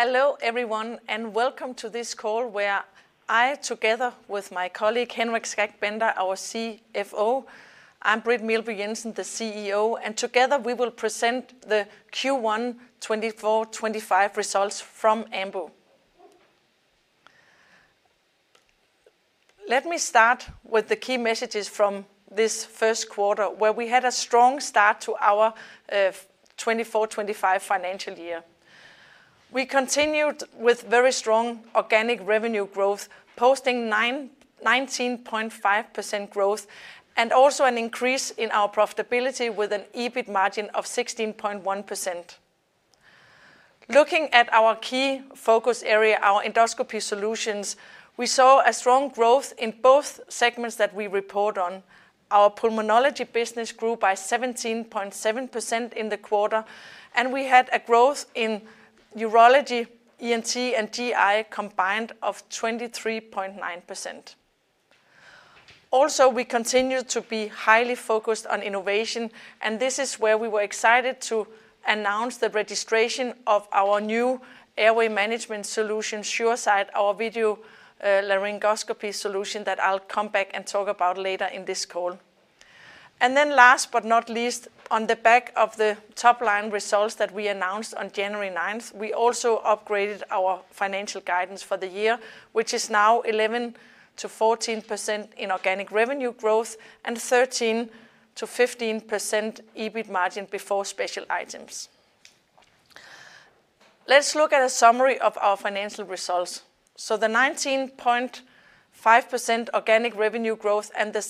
Hello everyone, and welcome to this call where I, together with my colleague Henrik Skak Bender, our CFO, I'm Britt Meelby Jensen, the CEO, together we will present the Q1 2024/2025 results from Ambu. Let me start with the key messages from this first quarter, where we had a strong start to our 2024/2025 financial year. We continued with very strong organic revenue growth, posting 19.5% growth and also an increase in our profitability with an EBIT margin of 16.1%. Looking at our key focus area, our Endoscopy Solutions, we saw a strong growth in both segments that we report on. Our Pulmonology business grew by 17.7% in the quarter, and we had a growth in Urology, ENT, and GI combined of 23.9%. Also, we continue to be highly focused on innovation, and this is where we were excited to announce the registration of our new airway management solution, SureSight, our video laryngoscopy solution that I'll come back and talk about later in this call, and then last but not least, on the back of the top-line results that we announced on January 9th, we also upgraded our financial guidance for the year, which is now 11%-14% in organic revenue growth and 13%-15% EBIT margin before special items. Let's look at a summary of our financial results, so the 19.5% organic revenue growth and the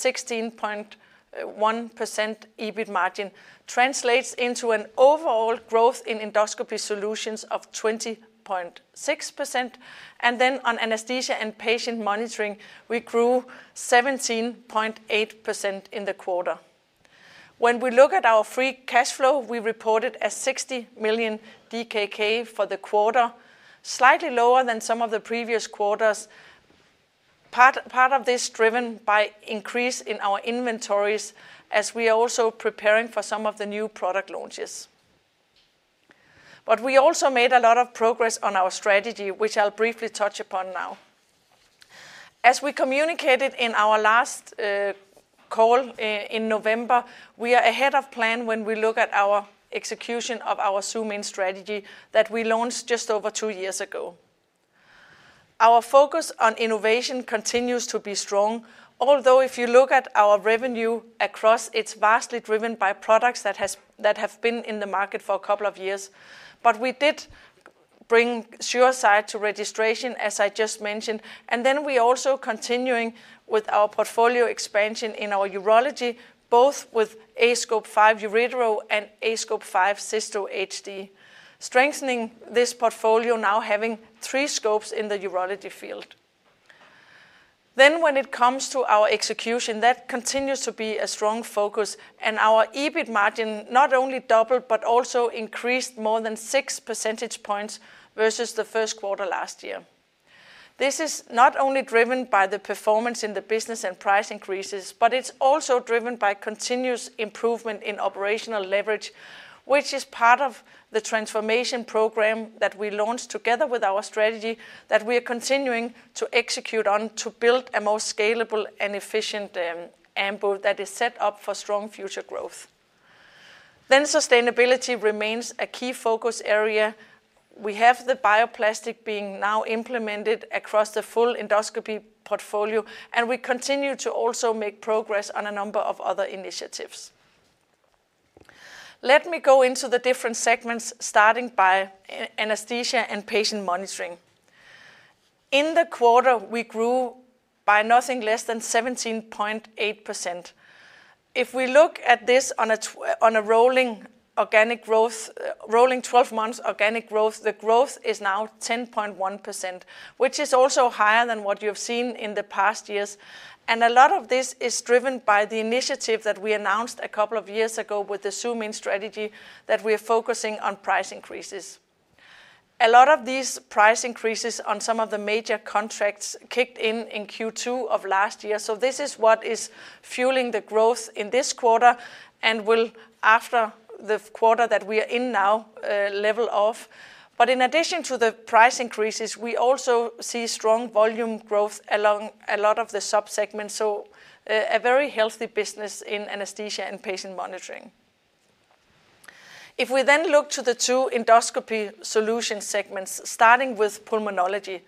16.1% EBIT margin translates into an overall growth in Endoscopy Solutions of 20.6%, and then on anesthesia and patient monitoring, we grew 17.8% in the quarter. When we look at our free cash flow, we reported 60 million DKK for the quarter, slightly lower than some of the previous quarters, part of this driven by an increase in our inventories as we are also preparing for some of the new product launches. But we also made a lot of progress on our strategy, which I'll briefly touch upon now. As we communicated in our last call in November, we are ahead of plan when we look at our execution of our Zoom In strategy that we launched just over two years ago. Our focus on innovation continues to be strong, although if you look at our revenue across, it's vastly driven by products that have been in the market for a couple of years. But we did bring SureSight to registration, as I just mentioned, and then we are also continuing with our portfolio expansion in our urology, both with aScope 5 Uretero and aScope 5 Cysto HD, strengthening this portfolio now having three scopes in the urology field. Then when it comes to our execution, that continues to be a strong focus, and our EBIT margin not only doubled but also increased more than six percentage points versus the first quarter last year. This is not only driven by the performance in the business and price increases, but it's also driven by continuous improvement in operational leverage, which is part of the transformation program that we launched together with our strategy that we are continuing to execute on to build a more scalable and efficient Ambu that is set up for strong future growth. Then sustainability remains a key focus area. We have the bioplastic being now implemented across the full endoscopy portfolio, and we continue to also make progress on a number of other initiatives. Let me go into the different segments, starting by Anesthesia and Patient Monitoring. In the quarter, we grew by nothing less than 17.8%. If we look at this on a rolling organic growth, rolling 12-month organic growth, the growth is now 10.1%, which is also higher than what you have seen in the past years, and a lot of this is driven by the initiative that we announced a couple of years ago with the Zoom In strategy that we are focusing on price increases. A lot of these price increases on some of the major contracts kicked in in Q2 of last year, so this is what is fueling the growth in this quarter and will, after the quarter that we are in now, level off. But in addition to the price increases, we also see strong volume growth along a lot of the subsegments, so a very healthy business in Anesthesia and Patient Monitoring. If we then look to the two Endoscopy Solution segments, starting with pulmonology,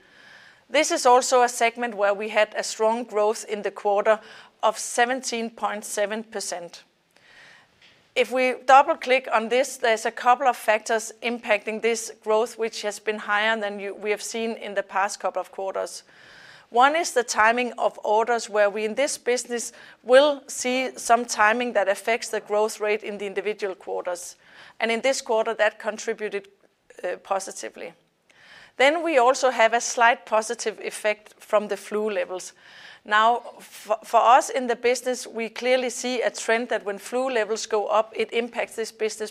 this is also a segment where we had a strong growth in the quarter of 17.7%. If we double-click on this, there's a couple of factors impacting this growth, which has been higher than we have seen in the past couple of quarters. One is the timing of orders, where we in this business will see some timing that affects the growth rate in the individual quarters, and in this quarter, that contributed positively. Then we also have a slight positive effect from the flu levels. Now, for us in the business, we clearly see a trend that when flu levels go up, it impacts this business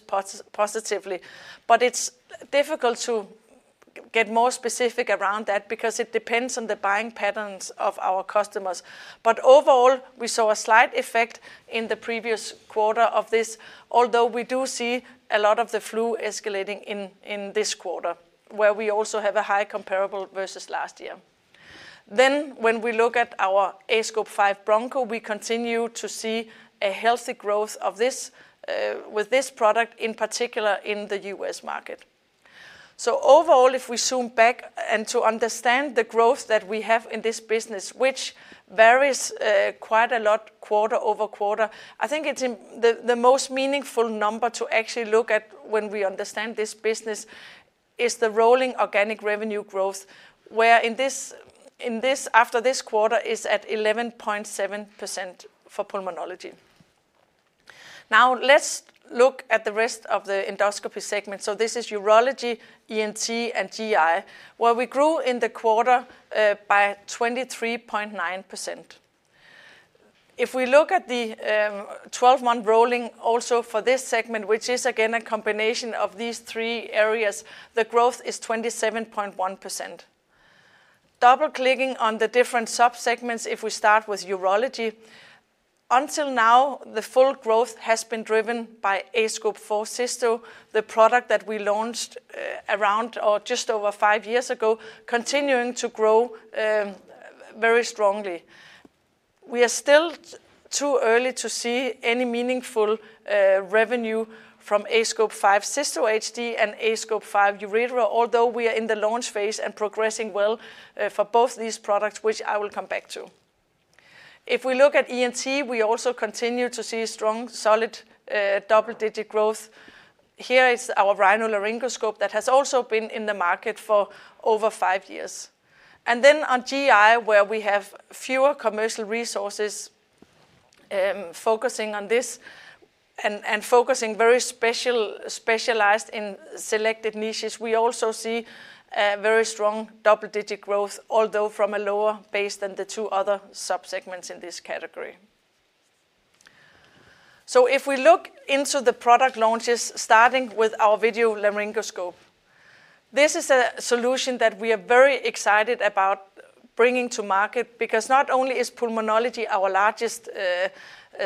positively, but it's difficult to get more specific around that because it depends on the buying patterns of our customers. But overall, we saw a slight effect in the previous quarter of this, although we do see a lot of the flu escalating in this quarter, where we also have a high comparable versus last year. Then when we look at our aScope 5 Broncho, we continue to see a healthy growth with this product in particular in the U.S. market. So overall, if we zoom back to understand the growth that we have in this business, which varies quite a lot quarter-over-quarter, I think the most meaningful number to actually look at when we understand this business is the rolling organic revenue growth, wherein this, after this quarter, is at 11.7% for Pulmonology. Now let's look at the rest of the endoscopy segment. So this is Urology, ENT, and GI, where we grew in the quarter by 23.9%. If we look at the 12-month rolling also for this segment, which is again a combination of these three areas, the growth is 27.1%. Double-clicking on the different subsegments, if we start with Urology, until now, the full growth has been driven by aScope 4 Cysto, the product that we launched around or just over five years ago, continuing to grow very strongly. We are still too early to see any meaningful revenue from aScope 5 Cysto HD and aScope 5 Uretero, although we are in the launch phase and progressing well for both these products, which I will come back to. If we look at ENT, we also continue to see strong, solid double-digit growth. Here is our rhinolaryngoscope that has also been in the market for over five years. And then on GI, where we have fewer commercial resources, focusing on this and focusing very specialized in selected niches, we also see very strong double-digit growth, although from a lower base than the two other subsegments in this category. So if we look into the product launches, starting with our video laryngoscope, this is a solution that we are very excited about bringing to market because not only is Pulmonology our largest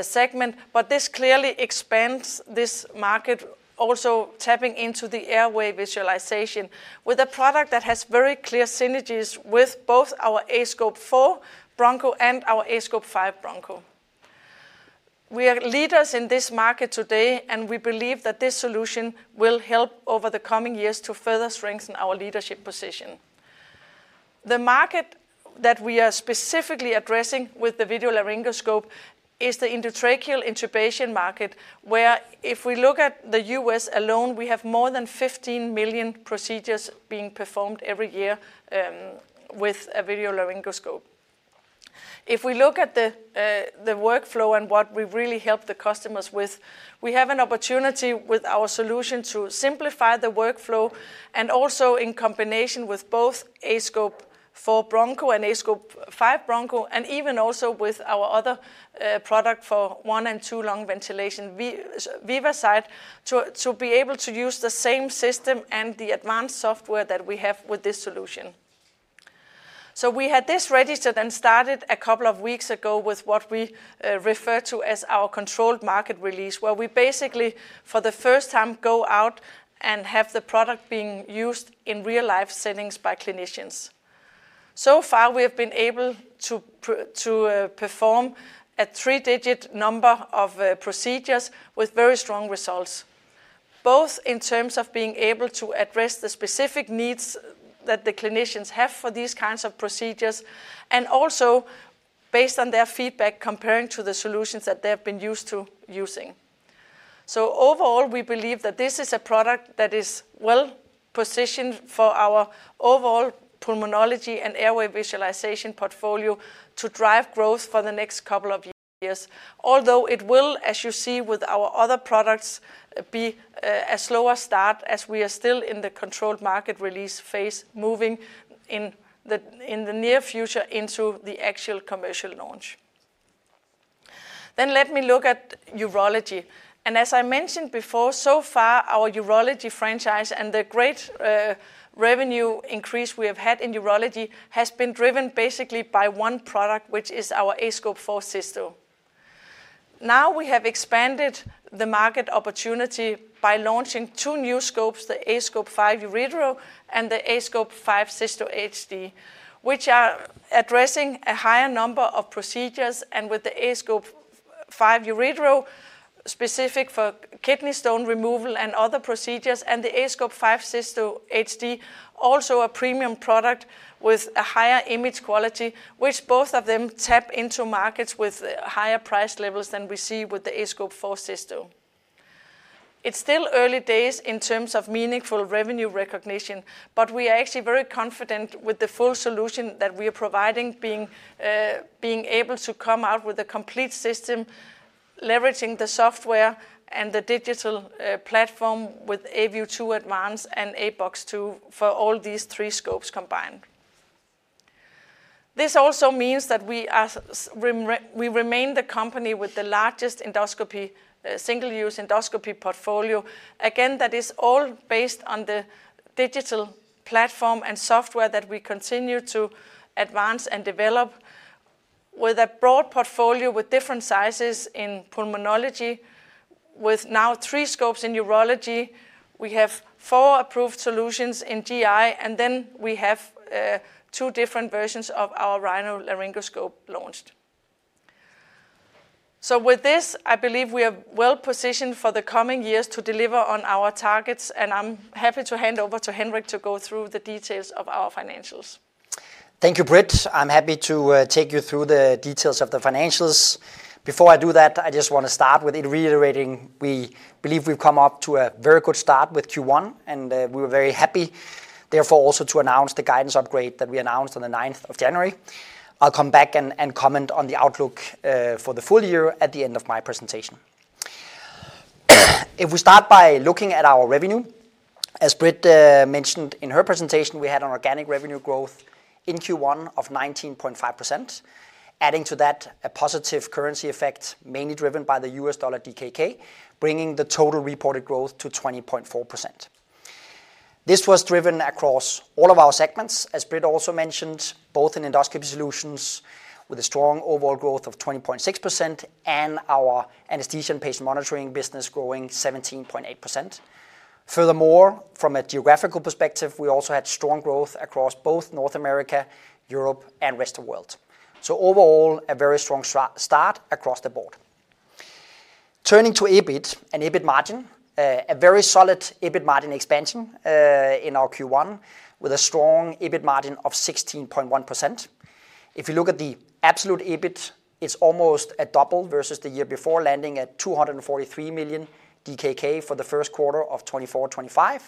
segment, but this clearly expands this market, also tapping into the airway visualization with a product that has very clear synergies with both our aScope 4 Broncho and our aScope 5 Broncho. We are leaders in this market today, and we believe that this solution will help over the coming years to further strengthen our leadership position. The market that we are specifically addressing with the video laryngoscope is the endotracheal intubation market, where if we look at the U.S. alone, we have more than 15 million procedures being performed every year with a video laryngoscope. If we look at the workflow and what we really help the customers with, we have an opportunity with our solution to simplify the workflow and also in combination with both aScope 4 Broncho and aScope 5 Broncho, and even also with our other product for one and two-lung ventilation, VivaSight, to be able to use the same system and the advanced software that we have with this solution. So we had this registered and started a couple of weeks ago with what we refer to as our controlled market release, where we basically, for the first time, go out and have the product being used in real-life settings by clinicians. So far, we have been able to perform a three-digit number of procedures with very strong results, both in terms of being able to address the specific needs that the clinicians have for these kinds of procedures and also based on their feedback comparing to the solutions that they have been used to using. So overall, we believe that this is a product that is well positioned for our overall pulmonology and airway visualization portfolio to drive growth for the next couple of years, although it will, as you see with our other products, be a slower start as we are still in the controlled market release phase, moving in the near future into the actual commercial launch. Then let me look at urology. As I mentioned before, so far, our urology franchise and the great revenue increase we have had in urology has been driven basically by one product, which is our aScope 4 Cysto. Now we have expanded the market opportunity by launching two new scopes, the aScope 5 Uretero and the aScope 5 Cysto HD, which are addressing a higher number of procedures and with the aScope 5 Uretero specific for kidney stone removal and other procedures, and the aScope 5 Cysto HD, also a premium product with a higher image quality, which both of them tap into markets with higher price levels than we see with the aScope 4 Cysto. It's still early days in terms of meaningful revenue recognition, but we are actually very confident with the full solution that we are providing, being able to come out with a complete system leveraging the software and the digital platform with aView 2 Advance and aBox 2 for all these three scopes combined. This also means that we remain the company with the largest endoscopy, single-use endoscopy portfolio. Again, that is all based on the digital platform and software that we continue to advance and develop with a broad portfolio with different sizes in pulmonology. With now three scopes in urology, we have four approved solutions in GI, and then we have two different versions of our rhinolaryngoscope launched. So with this, I believe we are well positioned for the coming years to deliver on our targets, and I'm happy to hand over to Henrik to go through the details of our financials. Thank you, Britt. I'm happy to take you through the details of the financials. Before I do that, I just want to start with reiterating, we believe we've come up to a very good start with Q1, and we were very happy, therefore, also to announce the guidance upgrade that we announced on the 9th January. I'll come back and comment on the outlook for the full year at the end of my presentation. If we start by looking at our revenue, as Britt mentioned in her presentation, we had an organic revenue growth in Q1 of 19.5%, adding to that a positive currency effect, mainly driven by the U.S. dollar DKK, bringing the total reported growth to 20.4%. This was driven across all of our segments, as Britt also mentioned, both in Endoscopy Solutions with a strong overall growth of 20.6% and our Anesthesia and Patient Monitoring business growing 17.8%. Furthermore, from a geographical perspective, we also had strong growth across both North America, Europe, and rest of the world. So overall, a very strong start across the board. Turning to EBIT and EBIT margin, a very solid EBIT margin expansion in our Q1 with a strong EBIT margin of 16.1%. If you look at the absolute EBIT, it's almost a double versus the year before, landing at 243 million DKK for the first quarter of 2024/2025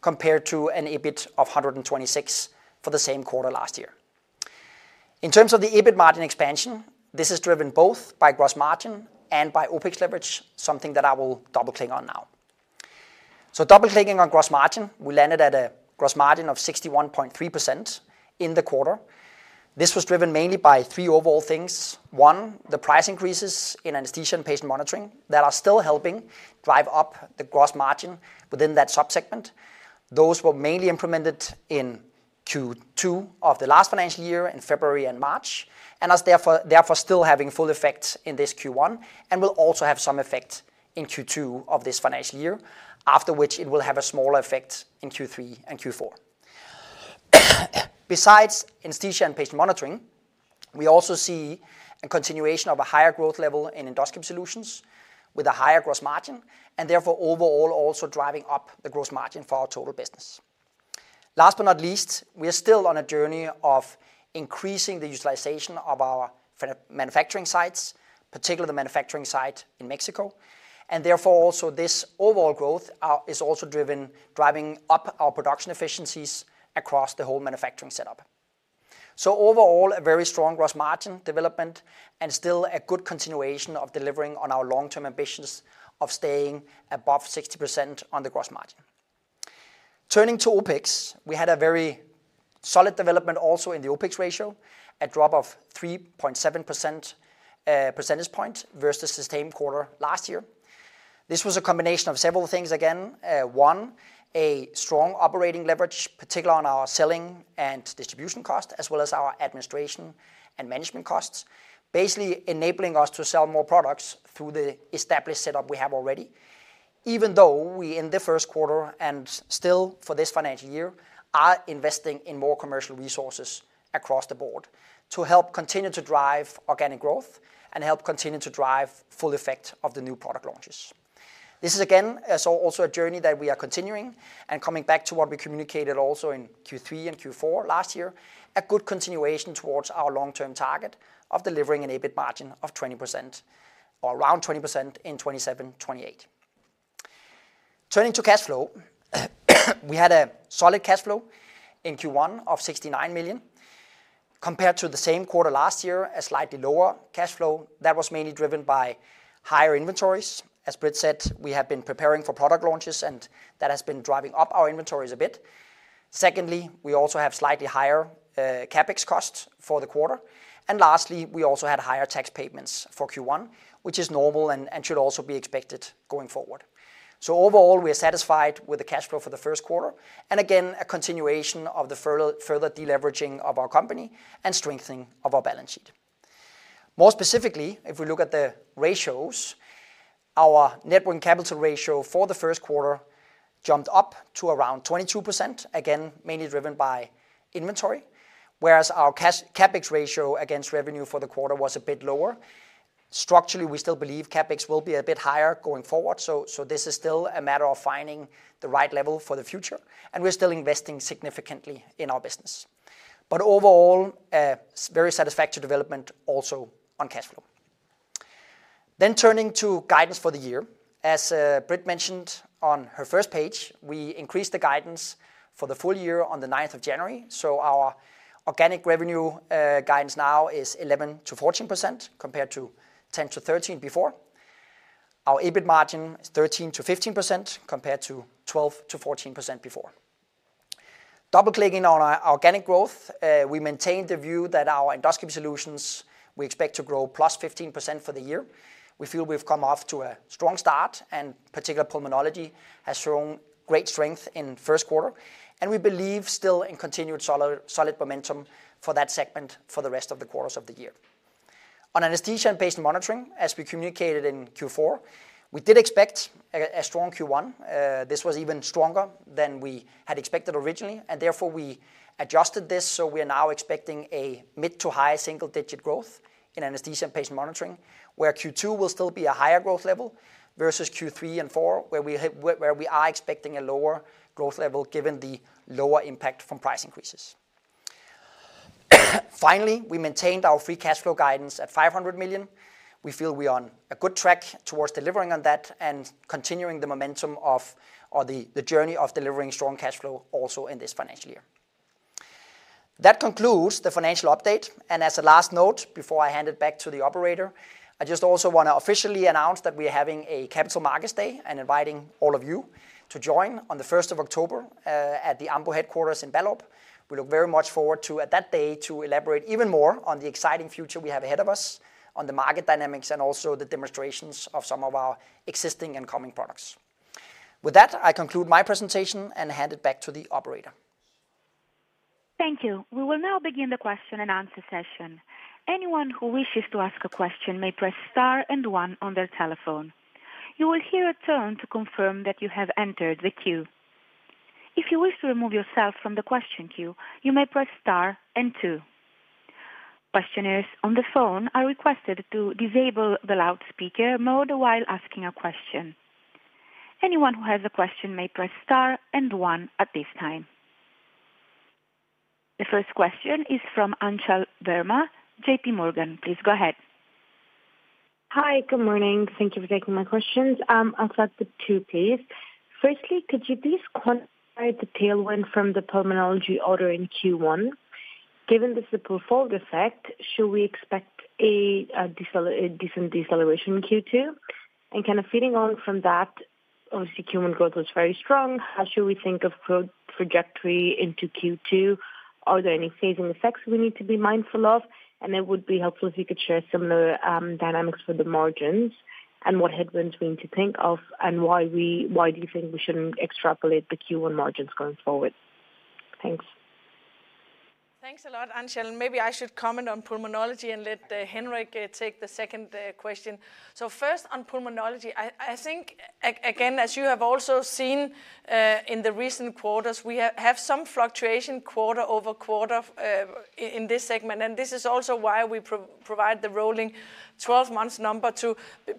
compared to an EBIT of 126 million for the same quarter last year. In terms of the EBIT margin expansion, this is driven both by gross margin and by OpEx leverage, something that I will double-click on now. So double-clicking on gross margin, we landed at a gross margin of 61.3% in the quarter. This was driven mainly by three overall things. One, the price increases in anesthesia and patient monitoring that are still helping drive up the gross margin within that subsegment. Those were mainly implemented in Q2 of the last financial year in February and March, and are therefore still having full effect in this Q1 and will also have some effect in Q2 of this financial year, after which it will have a smaller effect in Q3 and Q4. Besides anesthesia and patient monitoring, we also see a continuation of a higher growth level in Endoscopy Solutions with a higher gross margin and therefore overall also driving up the gross margin for our total business. Last but not least, we are still on a journey of increasing the utilization of our manufacturing sites, particularly the manufacturing site in Mexico, and therefore also this overall growth is also driving up our production efficiencies across the whole manufacturing setup. So overall, a very strong gross margin development and still a good continuation of delivering on our long-term ambitions of staying above 60% on the gross margin. Turning to OpEx, we had a very solid development also in the OpEx ratio, a drop of 3.7 percentage point versus the same quarter last year. This was a combination of several things again. One, a strong operating leverage, particularly on our selling and distribution costs, as well as our administration and management costs, basically enabling us to sell more products through the established setup we have already, even though we in the first quarter and still for this financial year are investing in more commercial resources across the board to help continue to drive organic growth and help continue to drive full effect of the new product launches. This is again also a journey that we are continuing and coming back to what we communicated also in Q3 and Q4 last year, a good continuation towards our long-term target of delivering an EBIT margin of 20% or around 20% in 2027/2028. Turning to cash flow, we had a solid cash flow in Q1 of 69 million compared to the same quarter last year, a slightly lower cash flow that was mainly driven by higher inventories. As Britt said, we have been preparing for product launches, and that has been driving up our inventories a bit. Secondly, we also have slightly higher CapEx costs for the quarter. Lastly, we also had higher tax payments for Q1, which is normal and should also be expected going forward. So overall, we are satisfied with the cash flow for the first quarter and again, a continuation of the further deleveraging of our company and strengthening of our balance sheet. More specifically, if we look at the ratios, our net working capital ratio for the first quarter jumped up to around 22%, again, mainly driven by inventory, whereas our CapEx ratio against revenue for the quarter was a bit lower. Structurally, we still believe CapEx will be a bit higher going forward. So this is still a matter of finding the right level for the future, and we're still investing significantly in our business. But overall, very satisfactory development also on cash flow. Then turning to guidance for the year, as Britt mentioned on her first page, we increased the guidance for the full year on the 9th January. Our organic revenue guidance now is 11%-14% compared to 10%-13% before. Our EBIT margin is 13%-15% compared to 12%-14% before. Double-clicking on our organic growth, we maintain the view that our Endoscopy Solutions, we expect to grow +15% for the year. We feel we've come off to a strong start, and particularly pulmonology has shown great strength in first quarter, and we believe still in continued solid momentum for that segment for the rest of the quarters of the year. On Anesthesia and Patient Monitoring, as we communicated in Q4, we did expect a strong Q1. This was even stronger than we had expected originally, and therefore we adjusted this. We are now expecting a mid- to high single-digit growth in anesthesia and patient monitoring, where Q2 will still be a higher growth level versus Q3 and Q4, where we are expecting a lower growth level given the lower impact from price increases. Finally, we maintained our free cash flow guidance at 500 million. We feel we are on a good track towards delivering on that and continuing the momentum of the journey of delivering strong cash flow also in this financial year. That concludes the financial update. And as a last note, before I hand it back to the operator, I just also want to officially announce that we are having a Capital Markets Day and inviting all of you to join on the 1st October at the Ambu headquarters in Ballerup. We look very much forward to, at that day, to elaborate even more on the exciting future we have ahead of us on the market dynamics and also the demonstrations of some of our existing and coming products. With that, I conclude my presentation and hand it back to the operator. Thank you. We will now begin the question and answer session. Anyone who wishes to ask a question may press star and one on their telephone. You will hear a tone to confirm that you have entered the queue. If you wish to remove yourself from the question queue, you may press star and two. Participants on the phone are requested to disable the loudspeaker mode while asking a question. Anyone who has a question may press star and one at this time. The first question is from Anchal Verma, JPMorgan. Please go ahead. Hi, good morning. Thank you for taking my questions. I'll start with two, please. Firstly, could you please quantify the tailwind from the pulmonology order in Q1? Given the two-fold effect, should we expect a decent deceleration in Q2? And kind of feeding on from that, obviously, Q1 growth was very strong. How should we think of growth trajectory into Q2? Are there any phasing effects we need to be mindful of? And it would be helpful if you could share similar dynamics for the margins and what headwinds we need to think of and why do you think we shouldn't extrapolate the Q1 margins going forward? Thanks. Thanks a lot, Anchal. Maybe I should comment on pulmonology and let Henrik take the second question. So first, on pulmonology, I think, again, as you have also seen in the recent quarters, we have some fluctuation quarter-over-quarter in this segment. This is also why we provide the rolling 12-month number,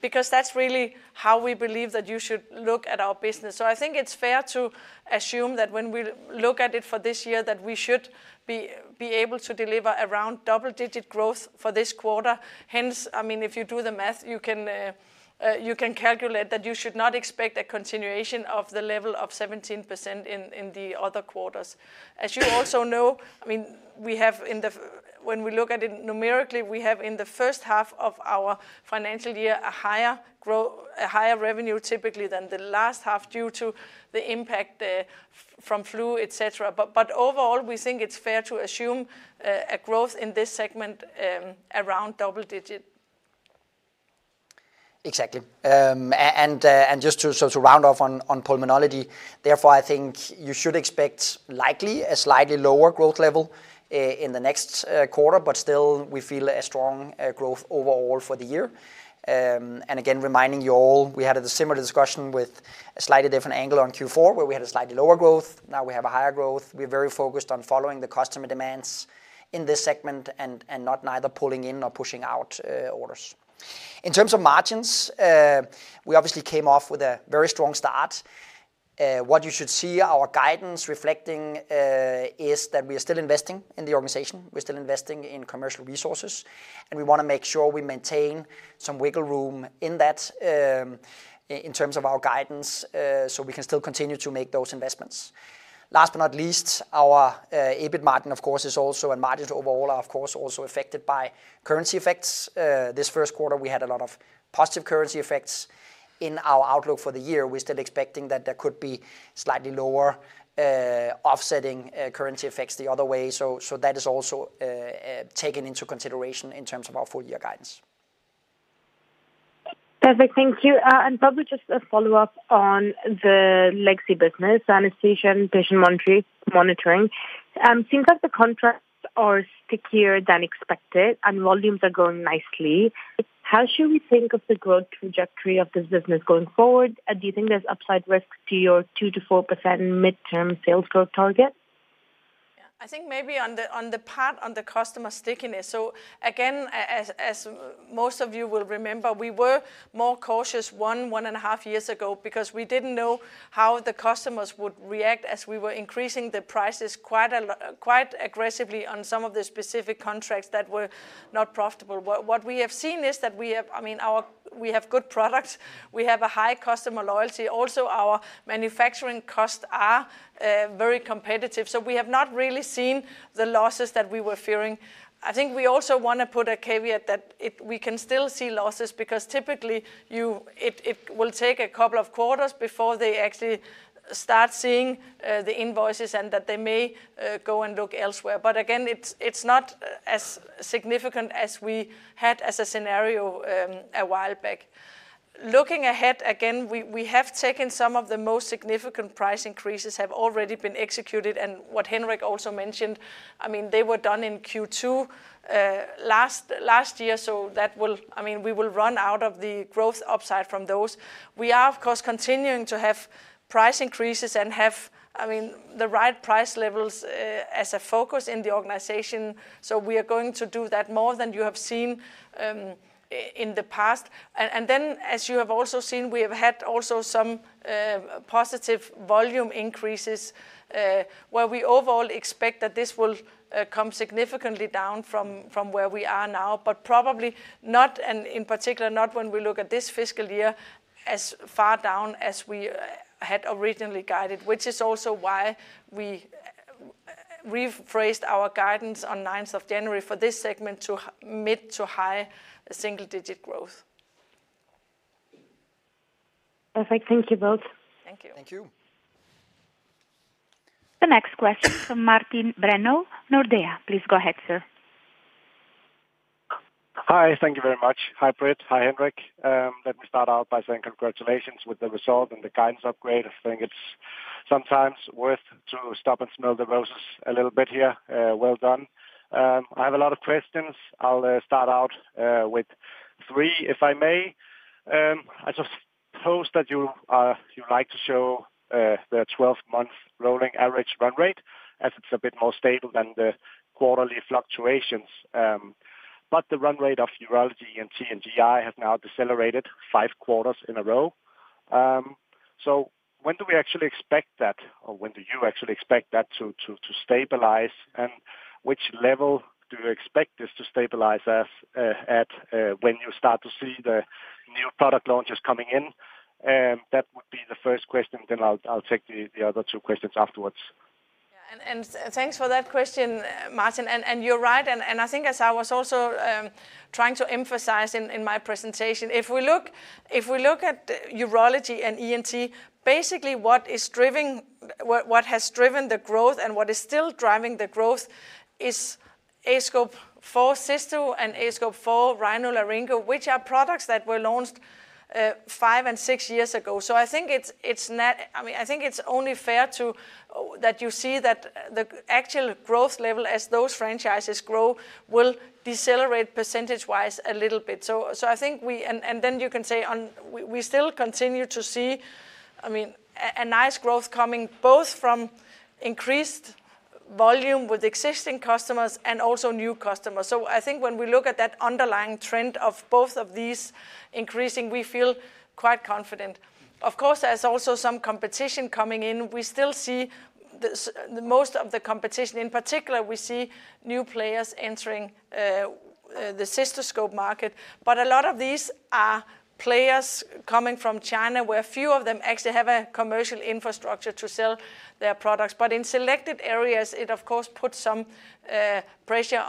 because that's really how we believe that you should look at our business. So I think it's fair to assume that when we look at it for this year, that we should be able to deliver around double-digit growth for this quarter. Hence, I mean, if you do the math, you can calculate that you should not expect a continuation of the level of 17% in the other quarters. As you also know, I mean, when we look at it numerically, we have in the first half of our financial year a higher revenue typically than the last half due to the impact from flu, etc. But overall, we think it's fair to assume a growth in this segment around double-digit. Exactly. Just to round off on Pulmonology, therefore, I think you should expect likely a slightly lower growth level in the next quarter, but still, we feel a strong growth overall for the year. Again, reminding you all, we had a similar discussion with a slightly different angle on Q4, where we had a slightly lower growth. Now we have a higher growth. We're very focused on following the customer demands in this segment and not neither pulling in nor pushing out orders. In terms of margins, we obviously came off with a very strong start. What you should see our guidance reflecting is that we are still investing in the organization. We're still investing in commercial resources, and we want to make sure we maintain some wiggle room in that in terms of our guidance so we can still continue to make those investments. Last but not least, our EBIT margin, of course, is also, and margins overall are, of course, also affected by currency effects. This first quarter, we had a lot of positive currency effects in our outlook for the year. We're still expecting that there could be slightly lower offsetting currency effects the other way. So that is also taken into consideration in terms of our full-year guidance. Perfect. Thank you. And probably just a follow-up on the legacy business, anesthesia, and patient monitoring. Seems like the contracts are stickier than expected, and volumes are going nicely. How should we think of the growth trajectory of this business going forward? Do you think there's upside risk to your 2%-4% midterm sales growth target? Yeah. I think maybe on the part on the customer stickiness. So again, as most of you will remember, we were more cautious one, one and a half years ago because we didn't know how the customers would react as we were increasing the prices quite aggressively on some of the specific contracts that were not profitable. What we have seen is that we have good products. We have a high customer loyalty. Also, our manufacturing costs are very competitive. So we have not really seen the losses that we were fearing. I think we also want to put a caveat that we can still see losses because typically, it will take a couple of quarters before they actually start seeing the invoices and that they may go and look elsewhere. But again, it's not as significant as we had as a scenario a while back. Looking ahead, again, we have taken some of the most significant price increases that have already been executed. And what Henrik also mentioned, I mean, they were done in Q2 last year. So I mean, we will run out of the growth upside from those. We are, of course, continuing to have price increases and have, I mean, the right price levels as a focus in the organization. So we are going to do that more than you have seen in the past. And then, as you have also seen, we have had also some positive volume increases where we overall expect that this will come significantly down from where we are now, but probably not, and in particular, not when we look at this fiscal year as far down as we had originally guided, which is also why we rephrased our guidance on 9th January for this segment to mid to high single-digit growth. Perfect. Thank you both. Thank you. Thank you. The next question from Martin Brenøe, Nordea. Please go ahead, sir. Hi. Thank you very much. Hi, Britt. Hi, Henrik. Let me start out by saying congratulations with the result and the guidance upgrade. I think it's sometimes worth to stop and smell the roses a little bit here. Well done. I have a lot of questions. I'll start out with three, if I may. I suppose that you like to show the 12-month rolling average run rate as it's a bit more stable than the quarterly fluctuations. But the run rate of Urology and ENT & GI has now decelerated five quarters in a row. So when do we actually expect that, or when do you actually expect that to stabilize? And which level do you expect this to stabilize at when you start to see the new product launches coming in? That would be the first question. Then I'll take the other two questions afterwards. Yeah. And thanks for that question, Martin. And you're right. I think, as I was also trying to emphasize in my presentation, if we look at Urology and ENT, basically, what has driven the growth and what is still driving the growth is aScope 4 Cysto and aScope 4 RhinoLaryngo, which are products that were launched five and six years ago. I think it's, I mean, I think it's only fair that you see that the actual growth level as those franchises grow will decelerate percentage-wise a little bit. I think we, and then you can say we still continue to see, I mean, a nice growth coming both from increased volume with existing customers and also new customers. I think when we look at that underlying trend of both of these increasing, we feel quite confident. Of course, there's also some competition coming in. We still see most of the competition. In particular, we see new players entering the cystoscope market but a lot of these are players coming from China where few of them actually have a commercial infrastructure to sell their products but in selected areas it of course puts some pressure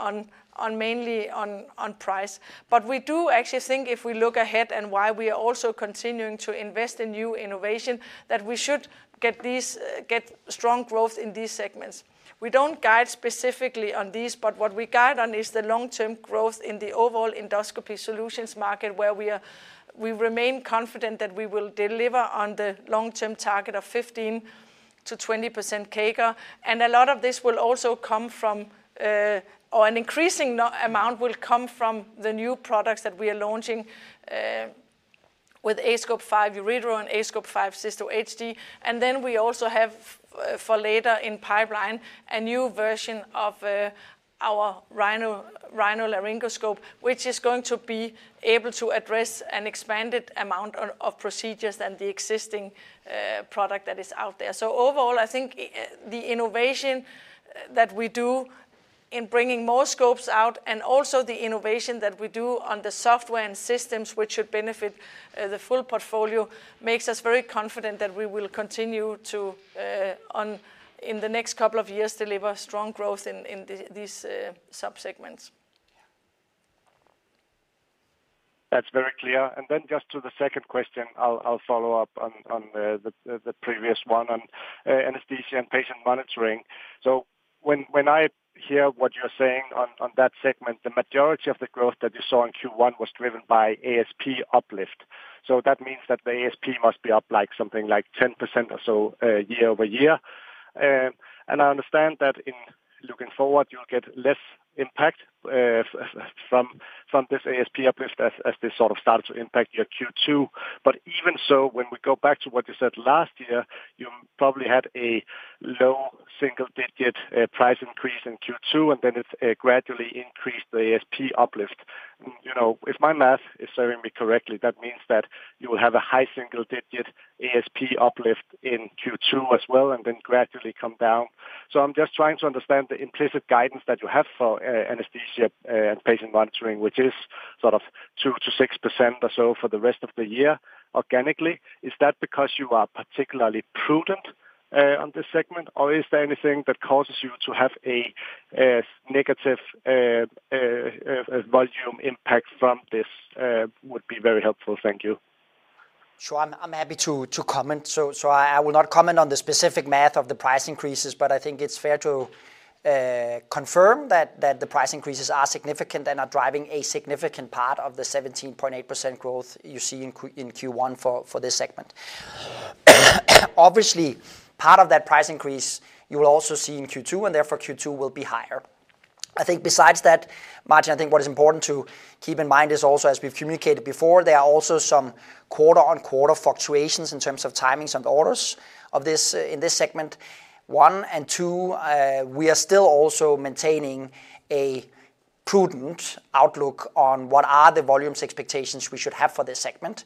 mainly on price but we do actually think if we look ahead and why we are also continuing to invest in new innovation that we should get strong growth in these segments. We don't guide specifically on these but what we guide on is the long-term growth in the overall Endoscopy Solutions market where we remain confident that we will deliver on the long-term target of 15%-20% CAGR and a lot of this will also come from or an increasing amount will come from the new products that we are launching with aScope 5 Uretero and aScope 5 Cysto HD. Then we also have for later in the pipeline a new version of our rhinoLaryngoscope, which is going to be able to address an expanded amount of procedures than the existing product that is out there. So overall, I think the innovation that we do in bringing more scopes out and also the innovation that we do on the software and systems, which should benefit the full portfolio, makes us very confident that we will continue to, in the next couple of years, deliver strong growth in these subsegments. That's very clear. Then just to the second question, I'll follow up on the previous one on anesthesia and patient monitoring. So when I hear what you're saying on that segment, the majority of the growth that you saw in Q1 was driven by ASP uplift. That means that the ASP must be up something like 10% or so year-over-year. And I understand that in looking forward, you'll get less impact from this ASP uplift as this sort of starts to impact your Q2. But even so, when we go back to what you said last year, you probably had a low single-digit price increase in Q2, and then it gradually increased the ASP uplift. If my math is serving me correctly, that means that you will have a high single-digit ASP uplift in Q2 as well and then gradually come down. So I'm just trying to understand the implicit guidance that you have for anesthesia and patient monitoring, which is sort of 2%-6% or so for the rest of the year organically. Is that because you are particularly prudent on this segment, or is there anything that causes you to have a negative volume impact from this? Would be very helpful. Thank you. Sure. I'm happy to comment. So I will not comment on the specific math of the price increases, but I think it's fair to confirm that the price increases are significant and are driving a significant part of the 17.8% growth you see in Q1 for this segment. Obviously, part of that price increase you will also see in Q2, and therefore, Q2 will be higher. I think besides that, Martin, I think what is important to keep in mind is also, as we've communicated before, there are also some quarter-on-quarter fluctuations in terms of timings on orders in this segment. One, and two, we are still also maintaining a prudent outlook on what are the volumes expectations we should have for this segment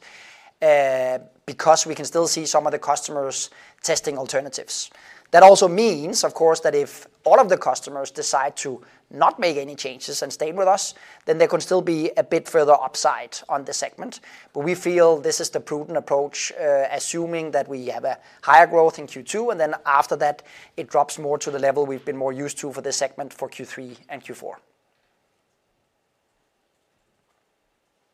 because we can still see some of the customers testing alternatives. That also means, of course, that if all of the customers decide to not make any changes and stay with us, then there can still be a bit further upside on the segment, but we feel this is the prudent approach, assuming that we have a higher growth in Q2, and then after that, it drops more to the level we've been more used to for this segment for Q3 and Q4.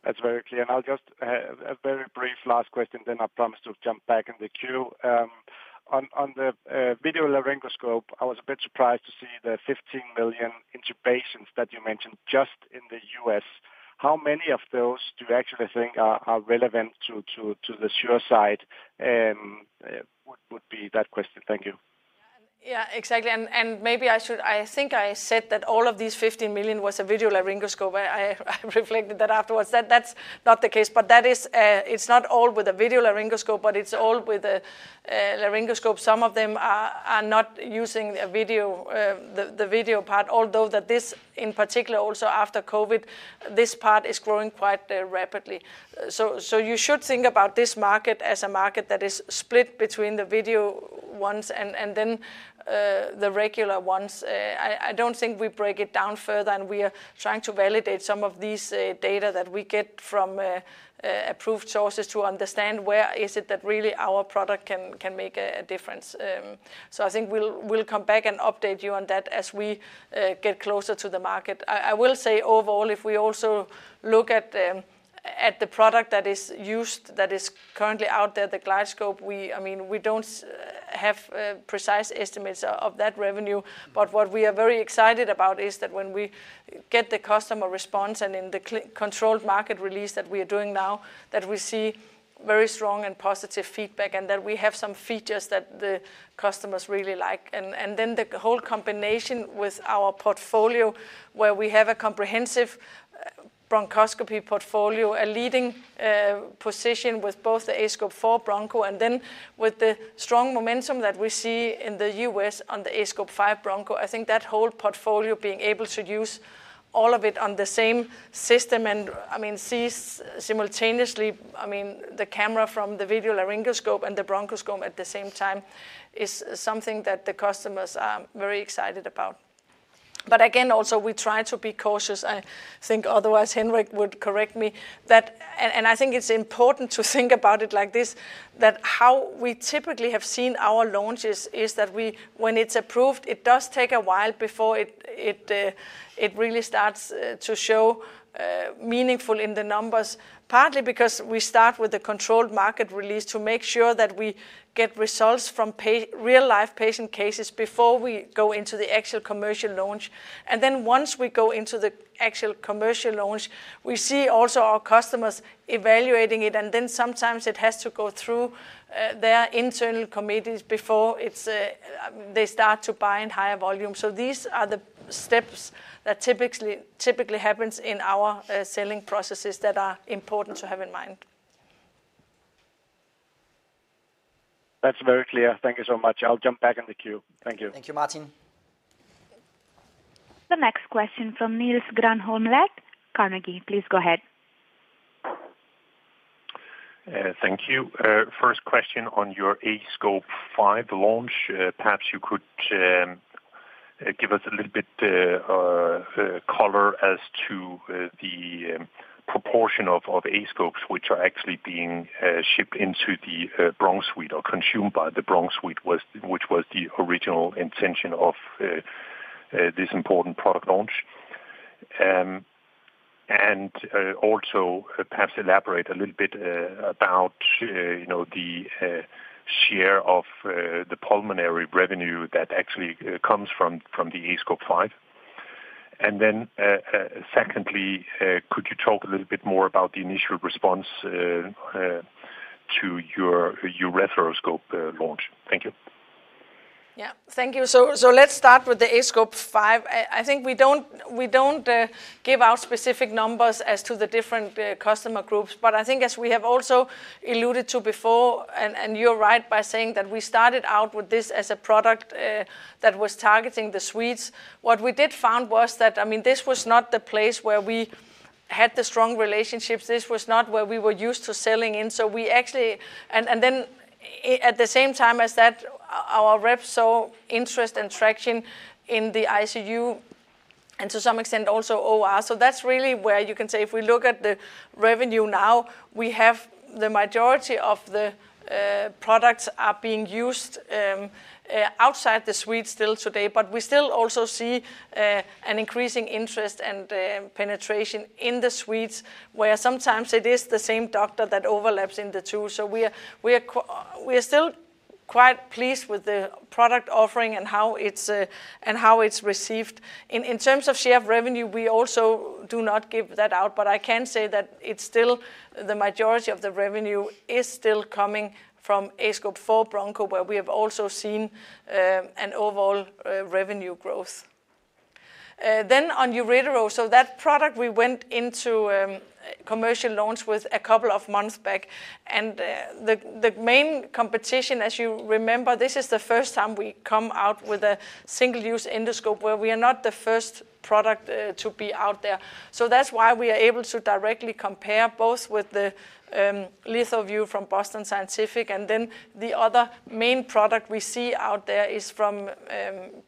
That's very clear, and I'll just have a very brief last question, then I promise to jump back in the queue. On the video laryngoscope, I was a bit surprised to see the 15 million intubations that you mentioned just in the U.S. How many of those do you actually think are relevant to the SureSight? Would be that question. Thank you. Yeah. Exactly. And maybe I think I said that all of these 15 million was a video laryngoscope. I reflected that afterwards. That's not the case. But it's not all with a video laryngoscope, but it's all with a laryngoscope. Some of them are not using the video part, although this in particular, also after COVID, this part is growing quite rapidly. So you should think about this market as a market that is split between the video ones and then the regular ones. I don't think we break it down further, and we are trying to validate some of these data that we get from approved sources to understand where is it that really our product can make a difference. So I think we'll come back and update you on that as we get closer to the market. I will say overall, if we also look at the product that is used, that is currently out there, the GlideScope, I mean, we don't have precise estimates of that revenue, but what we are very excited about is that when we get the customer response and in the controlled market release that we are doing now, that we see very strong and positive feedback and that we have some features that the customers really like. And then the whole combination with our portfolio where we have a comprehensive bronchoscopy portfolio, a leading position with both the aScope 4 Broncho, and then with the strong momentum that we see in the U.S. on the aScope 5 Broncho, I think that whole portfolio being able to use all of it on the same system and, I mean, see simultaneously, I mean, the camera from the video laryngoscope and the bronchoscope at the same time is something that the customers are very excited about. But again, also, we try to be cautious. I think otherwise Henrik would correct me. I think it's important to think about it like this, that how we typically have seen our launches is that when it's approved, it does take a while before it really starts to show meaningful in the numbers, partly because we start with the controlled market release to make sure that we get results from real-life patient cases before we go into the actual commercial launch. And then once we go into the actual commercial launch, we see also our customers evaluating it. And then sometimes it has to go through their internal committees before they start to buy in higher volume. So these are the steps that typically happen in our selling processes that are important to have in mind. That's very clear. Thank you so much. I'll jump back in the queue. Thank you. Thank you, Martin. The next question from Niels Granholm-Leth, Carnegie. Please go ahead. Thank you. First question on your aScope 5 Broncho. Perhaps you could give us a little bit color as to the proportion of aScopes which are actually being shipped into the Broncho suite or consumed by the Broncho suite, which was the original intention of this important product launch. And also perhaps elaborate a little bit about the share of the pulmonary revenue that actually comes from the aScope 5. And then secondly, could you talk a little bit more about the initial response to your ureteroscope launch? Thank you. Yeah. Thank you. So let's start with the aScope 5. I think we don't give out specific numbers as to the different customer groups. But I think as we have also alluded to before, and you're right by saying that we started out with this as a product that was targeting the suites. What we found was that, I mean, this was not the place where we had the strong relationships. This was not where we were used to selling in. So we actually and then at the same time as that, our rep saw interest and traction in the ICU and to some extent also OR. So that's really where you can say if we look at the revenue now, we have the majority of the products are being used outside the suite still today. But we still also see an increasing interest and penetration in the suites where sometimes it is the same doctor that overlaps in the two. So we are still quite pleased with the product offering and how it's received. In terms of share of revenue, we also do not give that out. I can say that the majority of the revenue is still coming from aScope 4 Broncho where we have also seen an overall revenue growth. Then on Uretero, so that product we went into commercial launch with a couple of months back. And the main competition, as you remember, this is the first time we come out with a single-use endoscope where we are not the first product to be out there. So that's why we are able to directly compare both with the LithoVue from Boston Scientific. And then the other main product we see out there is from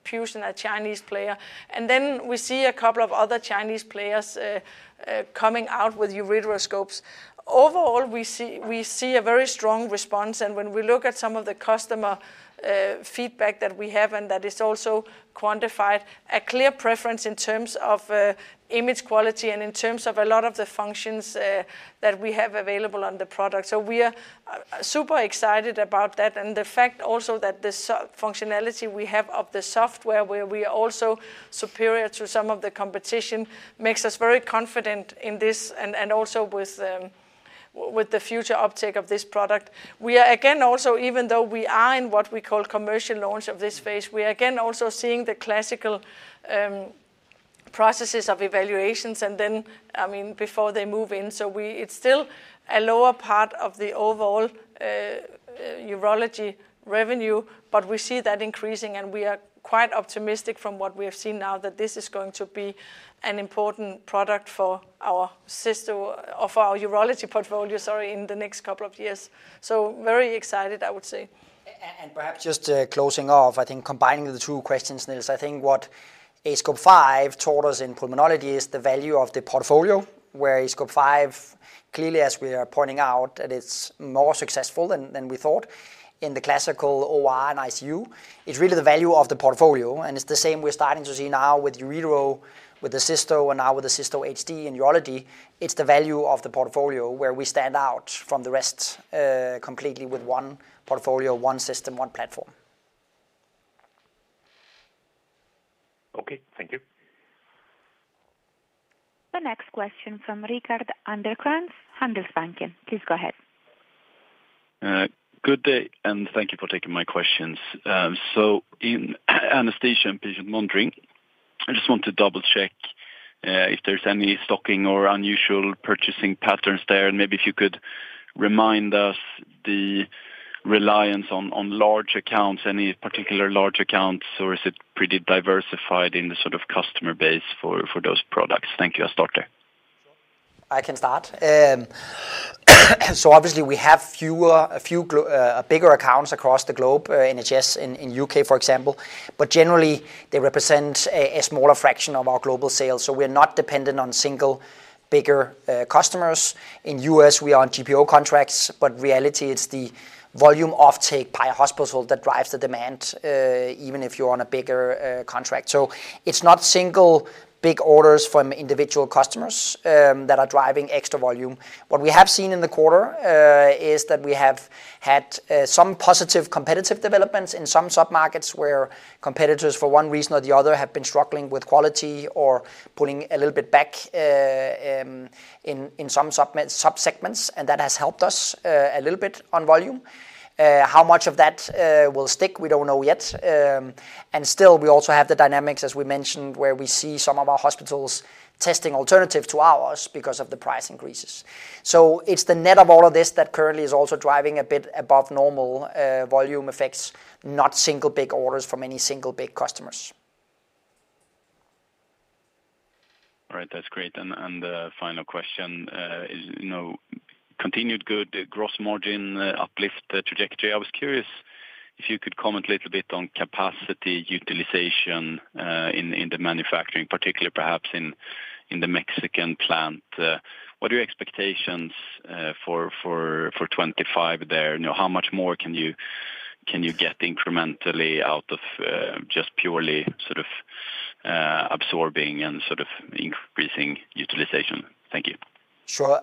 Pusen, a Chinese player. And then we see a couple of other Chinese players coming out with ureteroscopes. Overall, we see a very strong response. When we look at some of the customer feedback that we have and that is also quantified, a clear preference in terms of image quality and in terms of a lot of the functions that we have available on the product. We are super excited about that. The fact also that the functionality we have of the software where we are also superior to some of the competition makes us very confident in this and also with the future uptake of this product. We are again also, even though we are in what we call commercial launch of this phase, we are again also seeing the classical processes of evaluations and then, I mean, before they move in. It's still a lower part of the overall urology revenue, but we see that increasing. We are quite optimistic from what we have seen now that this is going to be an important product for our urology portfolio, sorry, in the next couple of years. Very excited, I would say. Perhaps just closing off, I think combining the two questions, Niels, I think what aScope 5 taught us in pulmonology is the value of the portfolio where aScope 5, clearly, as we are pointing out, that it's more successful than we thought in the classical OR and ICU. It's really the value of the portfolio. It's the same we're starting to see now with Uretero, with the Cysto, and now with the Cysto HD in urology. It's the value of the portfolio where we stand out from the rest completely with one portfolio, one system, one platform. Okay. Thank you. The next question from Rickard Anderkrans, Handelsbanken. Please go ahead. Good day, and thank you for taking my questions. So in Anesthesia and Patient Monitoring, I just want to double-check if there's any stocking or unusual purchasing patterns there. And maybe if you could remind us the reliance on large accounts, any particular large accounts, or is it pretty diversified in the sort of customer base for those products? Thank you. I'll start there. I can start. So obviously, we have a few bigger accounts across the globe, NHS in the U.K., for example. But generally, they represent a smaller fraction of our global sales. So we're not dependent on single bigger customers. In the U.S., we are on GPO contracts. But in reality, it's the volume offtake by hospital that drives the demand, even if you're on a bigger contract. So it's not single big orders from individual customers that are driving extra volume. What we have seen in the quarter is that we have had some positive competitive developments in some submarkets where competitors, for one reason or the other, have been struggling with quality or pulling a little bit back in some subsegments. And that has helped us a little bit on volume. How much of that will stick, we don't know yet. And still, we also have the dynamics, as we mentioned, where we see some of our hospitals testing alternative to ours because of the price increases. So it's the net of all of this that currently is also driving a bit above normal volume effects, not single big orders from any single big customers. All right. That's great. And the final question is continued good gross margin uplift trajectory. I was curious if you could comment a little bit on capacity utilization in the manufacturing, particularly perhaps in the Mexican plant. What are your expectations for 2025 there? How much more can you get incrementally out of just purely sort of absorbing and sort of increasing utilization? Thank you. Sure.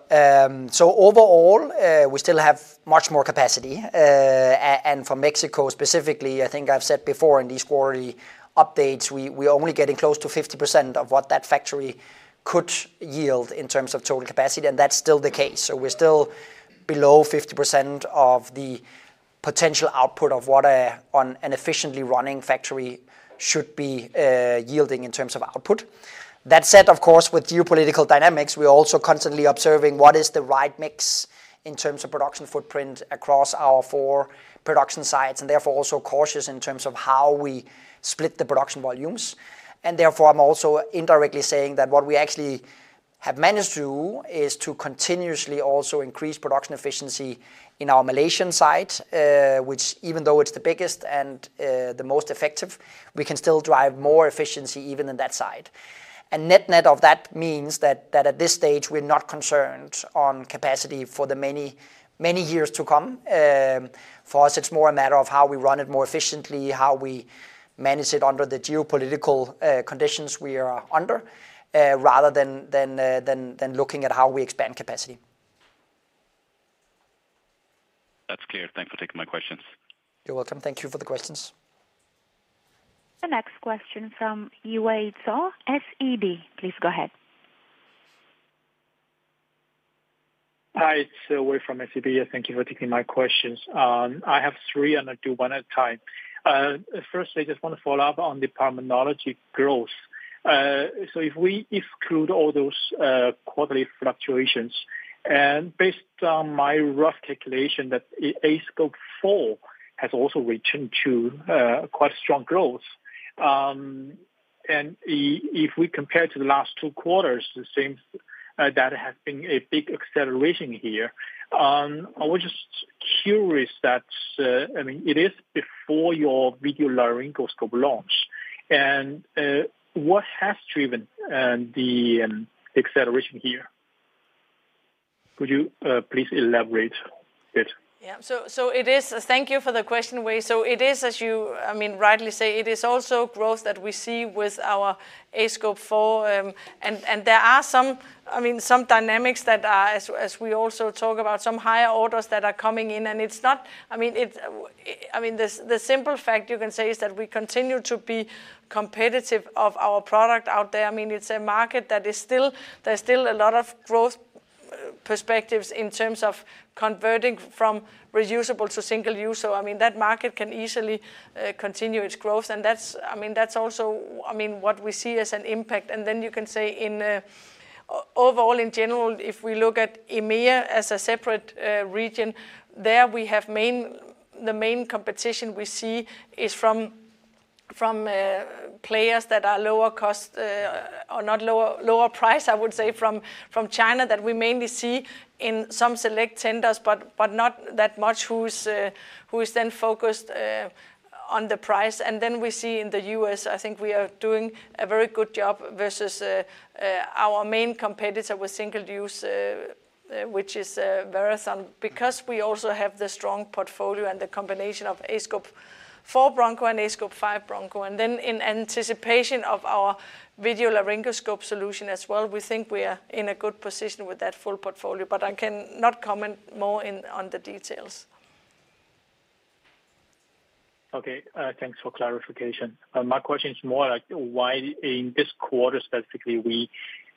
So overall, we still have much more capacity. And for Mexico specifically, I think I've said before in these quarterly updates, we are only getting close to 50% of what that factory could yield in terms of total capacity. And that's still the case. So we're still below 50% of the potential output of what an efficiently running factory should be yielding in terms of output. That said, of course, with geopolitical dynamics, we're also constantly observing what is the right mix in terms of production footprint across our four production sites and therefore also cautious in terms of how we split the production volumes, and therefore, I'm also indirectly saying that what we actually have managed to do is to continuously also increase production efficiency in our Malaysian site, which even though it's the biggest and the most effective, we can still drive more efficiency even in that site, and net-net of that means that at this stage, we're not concerned on capacity for the many years to come. For us, it's more a matter of how we run it more efficiently, how we manage it under the geopolitical conditions we are under, rather than looking at how we expand capacity. That's clear. Thanks for taking my questions. You're welcome. Thank you for the questions. The next question from Yiwei Zhou, SEB. Please go ahead. Hi. It's Yiwei from SEB. Thank you for taking my questions. I have three, and I'll do one at a time. First, I just want to follow up on departmental growth, so if we exclude all those quarterly fluctuations, and based on my rough calculation, that aScope 4 has also returned to quite strong growth. And if we compare to the last two quarters, it seems that there has been a big acceleration here. I was just curious that, I mean, it is before your video laryngoscope launch. And what has driven the acceleration here? Could you please elaborate a bit? Yeah, so thank you for the question, Yiwei. So it is, as you, I mean, rightly say, it is also growth that we see with our aScope 4. And there are some, I mean, some dynamics that are, as we also talk about, some higher orders that are coming in. And it's not, I mean, the simple fact you can say is that we continue to be competitive of our product out there. I mean, it's a market, there's still a lot of growth perspectives in terms of converting from reusable to single use. So, I mean, that market can easily continue its growth. And that's, I mean, that's also, I mean, what we see as an impact. Then you can say overall, in general, if we look at EMEA as a separate region, there we have the main competition we see is from players that are lower cost or not lower price, I would say, from China that we mainly see in some select tenders, but not that much who is then focused on the price. And then we see in the U.S., I think we are doing a very good job versus our main competitor with single use, which is Verathon, because we also have the strong portfolio and the combination of aScope 4 Broncho and aScope 5 Broncho. And then in anticipation of our video laryngoscope solution as well, we think we are in a good position with that full portfolio. But I cannot comment more on the details. Okay. Thanks for clarification. My question is more like why in this quarter specifically we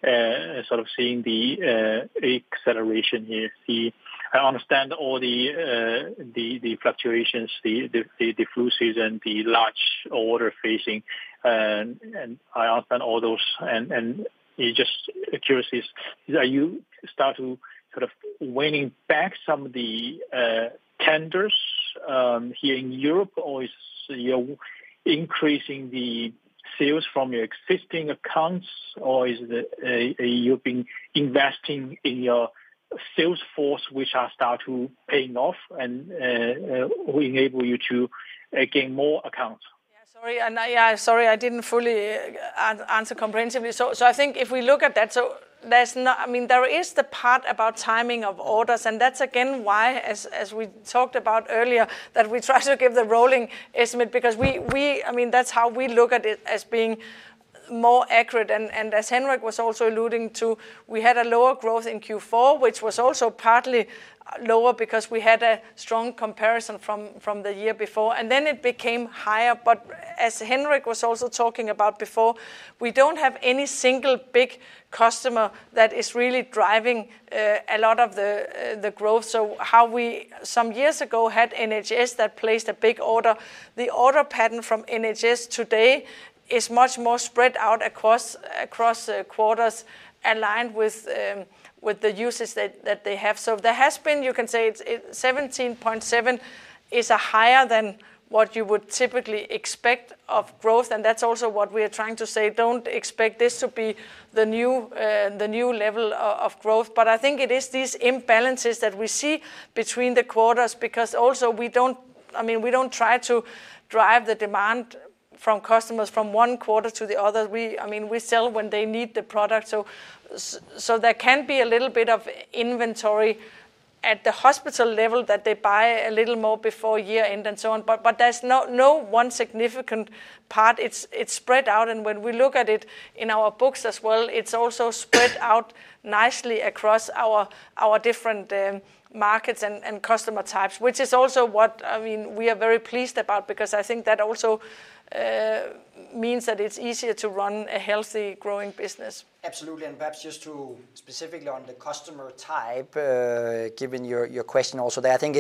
are sort of seeing the acceleration here. I understand all the fluctuations and the large order phasing. And I understand all those. And just curious, are you starting to sort of winning back some of the tenders here in Europe, or is you're increasing the sales from your existing accounts, or is you've been investing in your sales force, which are starting to paying off and enable you to gain more accounts? Yeah. Sorry. And yeah, sorry, I didn't fully answer comprehensively. So I think if we look at that, so there's not, I mean, there is the part about timing of orders. And that's again why, as we talked about earlier, that we try to give the rolling estimate because we, I mean, that's how we look at it as being more accurate. And as Henrik was also alluding to, we had a lower growth in Q4, which was also partly lower because we had a strong comparison from the year before. And then it became higher. But as Henrik was also talking about before, we don't have any single big customer that is really driving a lot of the growth. So, though we some years ago had NHS that placed a big order, the order pattern from NHS today is much more spread out across quarters aligned with the uses that they have. So there has been, you can say, 17.7% is higher than what you would typically expect of growth. And that's also what we are trying to say. Don't expect this to be the new level of growth. But I think it is these imbalances that we see between the quarters because also we don't, I mean, we don't try to drive the demand from customers from one quarter to the other. I mean, we sell when they need the product. So there can be a little bit of inventory at the hospital level that they buy a little more before year-end and so on. But there's no one significant part. It's spread out. And when we look at it in our books as well, it's also spread out nicely across our different markets and customer types, which is also what, I mean, we are very pleased about because I think that also means that it's easier to run a healthy growing business. Absolutely. And perhaps just to specifically on the customer type, given your question also there, I think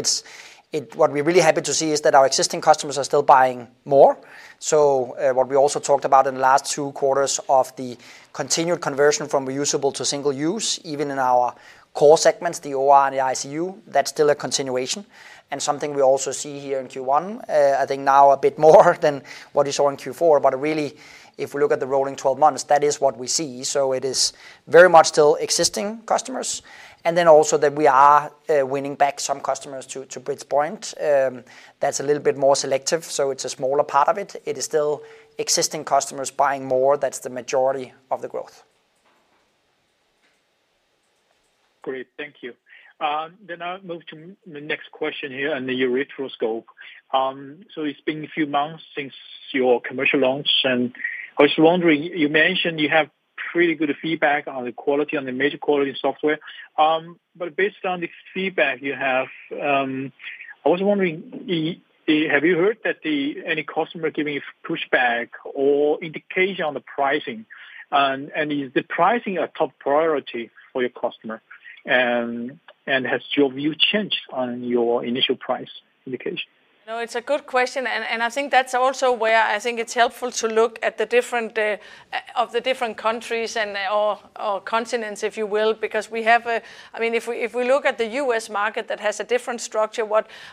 what we're really happy to see is that our existing customers are still buying more. So what we also talked about in the last two quarters of the continued conversion from reusable to single use, even in our core segments, the OR and the ICU, that's still a continuation. And something we also see here in Q1, I think now a bit more than what you saw in Q4. But really, if we look at the rolling 12 months, that is what we see. So it is very much still existing customers. And then also that we are winning back some customers to Britt's point. That's a little bit more selective. So it's a smaller part of it. It is still existing customers buying more. That's the majority of the growth. Great. Thank you. I'll move to the next question here on the ureteroscope. It's been a few months since your commercial launch. I was wondering, you mentioned you have pretty good feedback on the quality, on the image quality software. But based on the feedback you have, I was wondering, have you heard that any customer giving you pushback or indication on the pricing? Is the pricing a top priority for your customer? Has your view changed on your initial price indication? No, it's a good question. I think that's also where I think it's helpful to look at the different countries and/or continents, if you will, because, I mean, if we look at the U.S. market that has a different structure.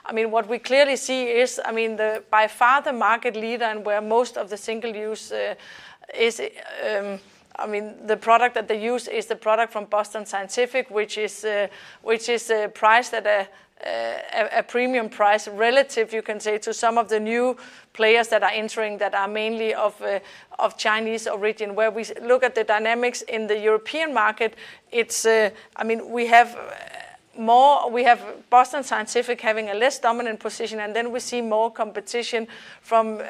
I mean, what we clearly see is, I mean, by far the market leader and where most of the single use is, I mean, the product that they use is the product from Boston Scientific, which is priced at a premium price relative, you can say, to some of the new players that are entering that are mainly of Chinese origin. Where we look at the dynamics in the European market, it's, I mean, we have more Boston Scientific having a less dominant position. And then we see more competition from,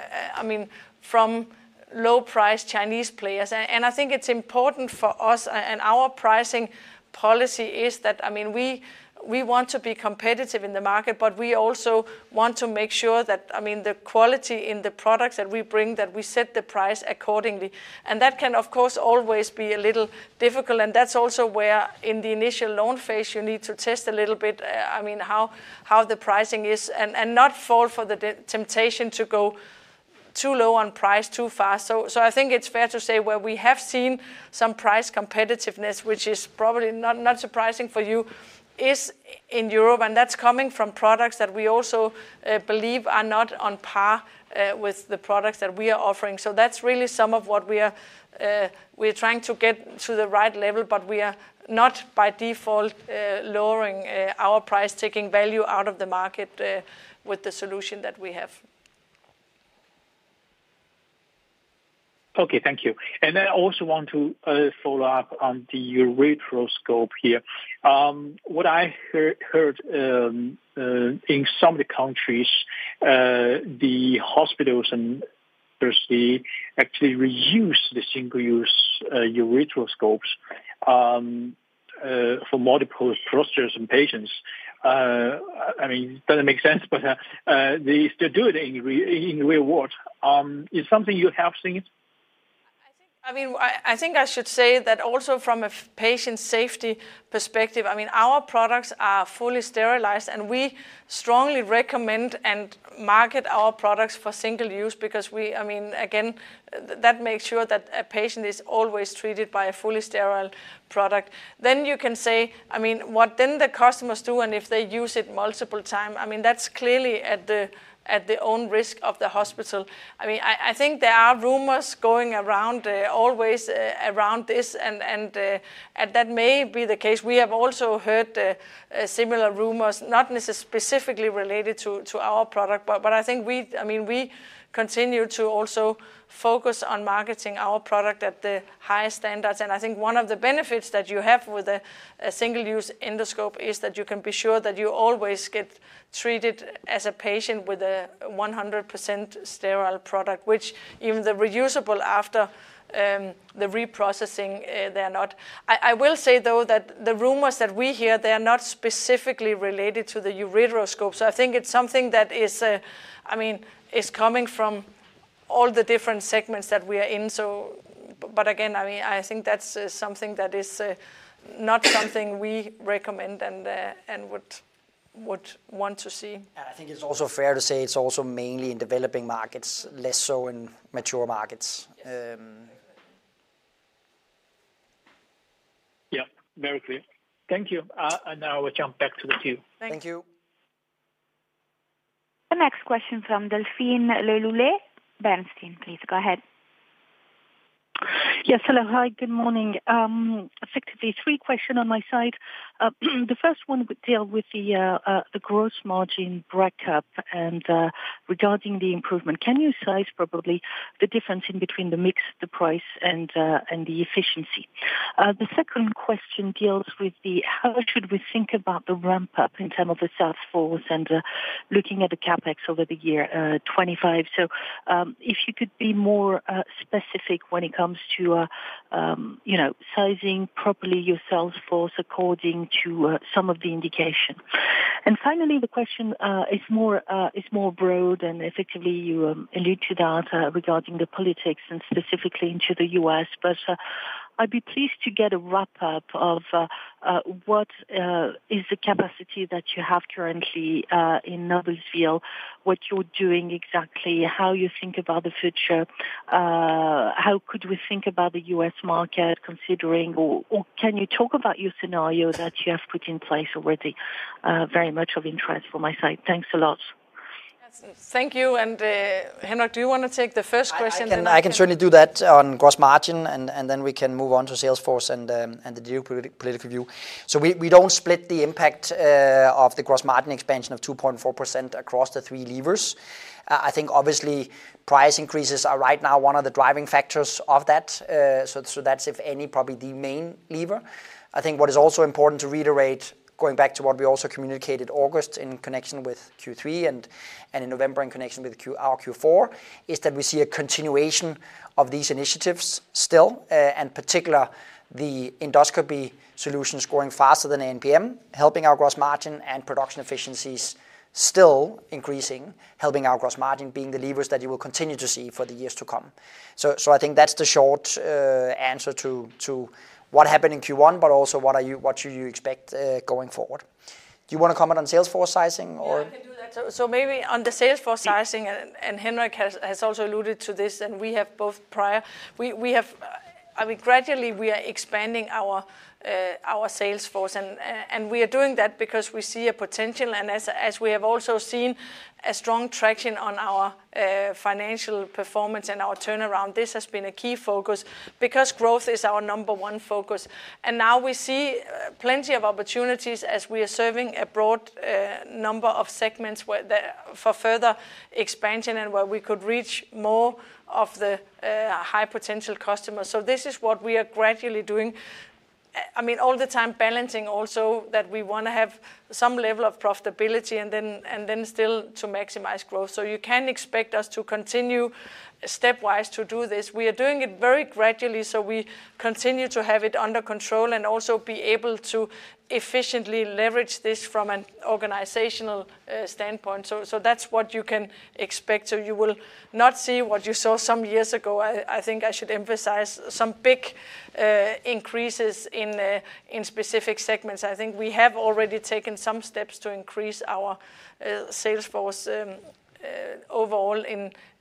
I mean, from low-priced Chinese players. I think it's important for us, and our pricing policy is that, I mean, we want to be competitive in the market, but we also want to make sure that, I mean, the quality in the products that we bring, that we set the price accordingly. That can, of course, always be a little difficult. That's also where in the initial loan phase, you need to test a little bit, I mean, how the pricing is and not fall for the temptation to go too low on price too fast. So I think it's fair to say where we have seen some price competitiveness, which is probably not surprising for you, is in Europe. That's coming from products that we also believe are not on par with the products that we are offering. So that's really some of what we are trying to get to the right level, but we are not by default lowering our price, taking value out of the market with the solution that we have. Okay. Thank you. And then I also want to follow up on the ureteroscope here. What I heard in some of the countries, the hospitals and university actually reuse the single-use ureteroscopes for multiple prostatic patients. I mean, it doesn't make sense, but they still do it in the real world. Is it something you have seen? I mean, I think I should say that also from a patient safety perspective, I mean, our products are fully sterilized, and we strongly recommend and market our products for single-use because, I mean, again, that makes sure that a patient is always treated by a fully sterile product. Then you can say, I mean, what then the customers do, and if they use it multiple times, I mean, that's clearly at the own risk of the hospital. I mean, I think there are rumors going around always around this, and that may be the case. We have also heard similar rumors, not necessarily specifically related to our product, but I think, I mean, we continue to also focus on marketing our product at the highest standards. And I think one of the benefits that you have with a single-use endoscope is that you can be sure that you always get treated as a patient with a 100% sterile product, which even the reusable after the reprocessing, they are not. I will say, though, that the rumors that we hear, they are not specifically related to the ureteroscope. So I think it's something that is, I mean, is coming from all the different segments that we are in. But again, I mean, I think that's something that is not something we recommend and would want to see. And I think it's also fair to say it's also mainly in developing markets, less so in mature markets. Yep. Very clear. Thank you. And now I will jump back to the queue. Thank you. The next question from Delphine Le Louët. Bernstein, please go ahead. Yes. Hello. Hi. Good morning. Effectively, three questions on my side. The first one would deal with the gross margin breakup and regarding the improvement. Can you size probably the difference in between the mixed price and the efficiency? The second question deals with how we should think about the ramp-up in terms of the sales force and looking at the CapEx over the year 25. So if you could be more specific when it comes to sizing properly your sales force according to some of the indication. And finally, the question is more broad, and effectively, you alluded to that regarding the politics and specifically into the U.S. But I'd be pleased to get a wrap-up of what is the capacity that you have currently in Noblesville, what you're doing exactly, how you think about the future, how could we think about the U.S. market considering, or can you talk about your scenario that you have put in place already? Very much of interest from my side. Thanks a lot. Thank you. And Henrik, do you want to take the first question? I can certainly do that on gross margin, and then we can move on to sales force and the geopolitical view. So we don't split the impact of the gross margin expansion of 2.4% across the three levers. I think, obviously, price increases are right now one of the driving factors of that. So that's, if any, probably the main lever. I think what is also important to reiterate, going back to what we also communicated August in connection with Q3 and in November in connection with our Q4, is that we see a continuation of these initiatives still, and particularly the Endoscopy Solutions going faster than ANPM, helping our gross margin and production efficiencies still increasing, helping our gross margin being the levers that you will continue to see for the years to come. So I think that's the short answer to what happened in Q1, but also what you expect going forward. Do you want to comment on sales force sizing or? Yeah, I can do that. So maybe on the sales force sizing, and Henrik has also alluded to this, and, I mean, gradually we are expanding our sales force. And we are doing that because we see a potential. And as we have also seen a strong traction on our financial performance and our turnaround, this has been a key focus because growth is our number one focus. And now we see plenty of opportunities as we are serving a broad number of segments for further expansion and where we could reach more of the high-potential customers. So this is what we are gradually doing. I mean, all the time balancing also that we want to have some level of profitability and then still to maximize growth. So you can expect us to continue stepwise to do this. We are doing it very gradually. So we continue to have it under control and also be able to efficiently leverage this from an organizational standpoint. So that's what you can expect. So you will not see what you saw some years ago. I think I should emphasize some big increases in specific segments. I think we have already taken some steps to increase our sales force overall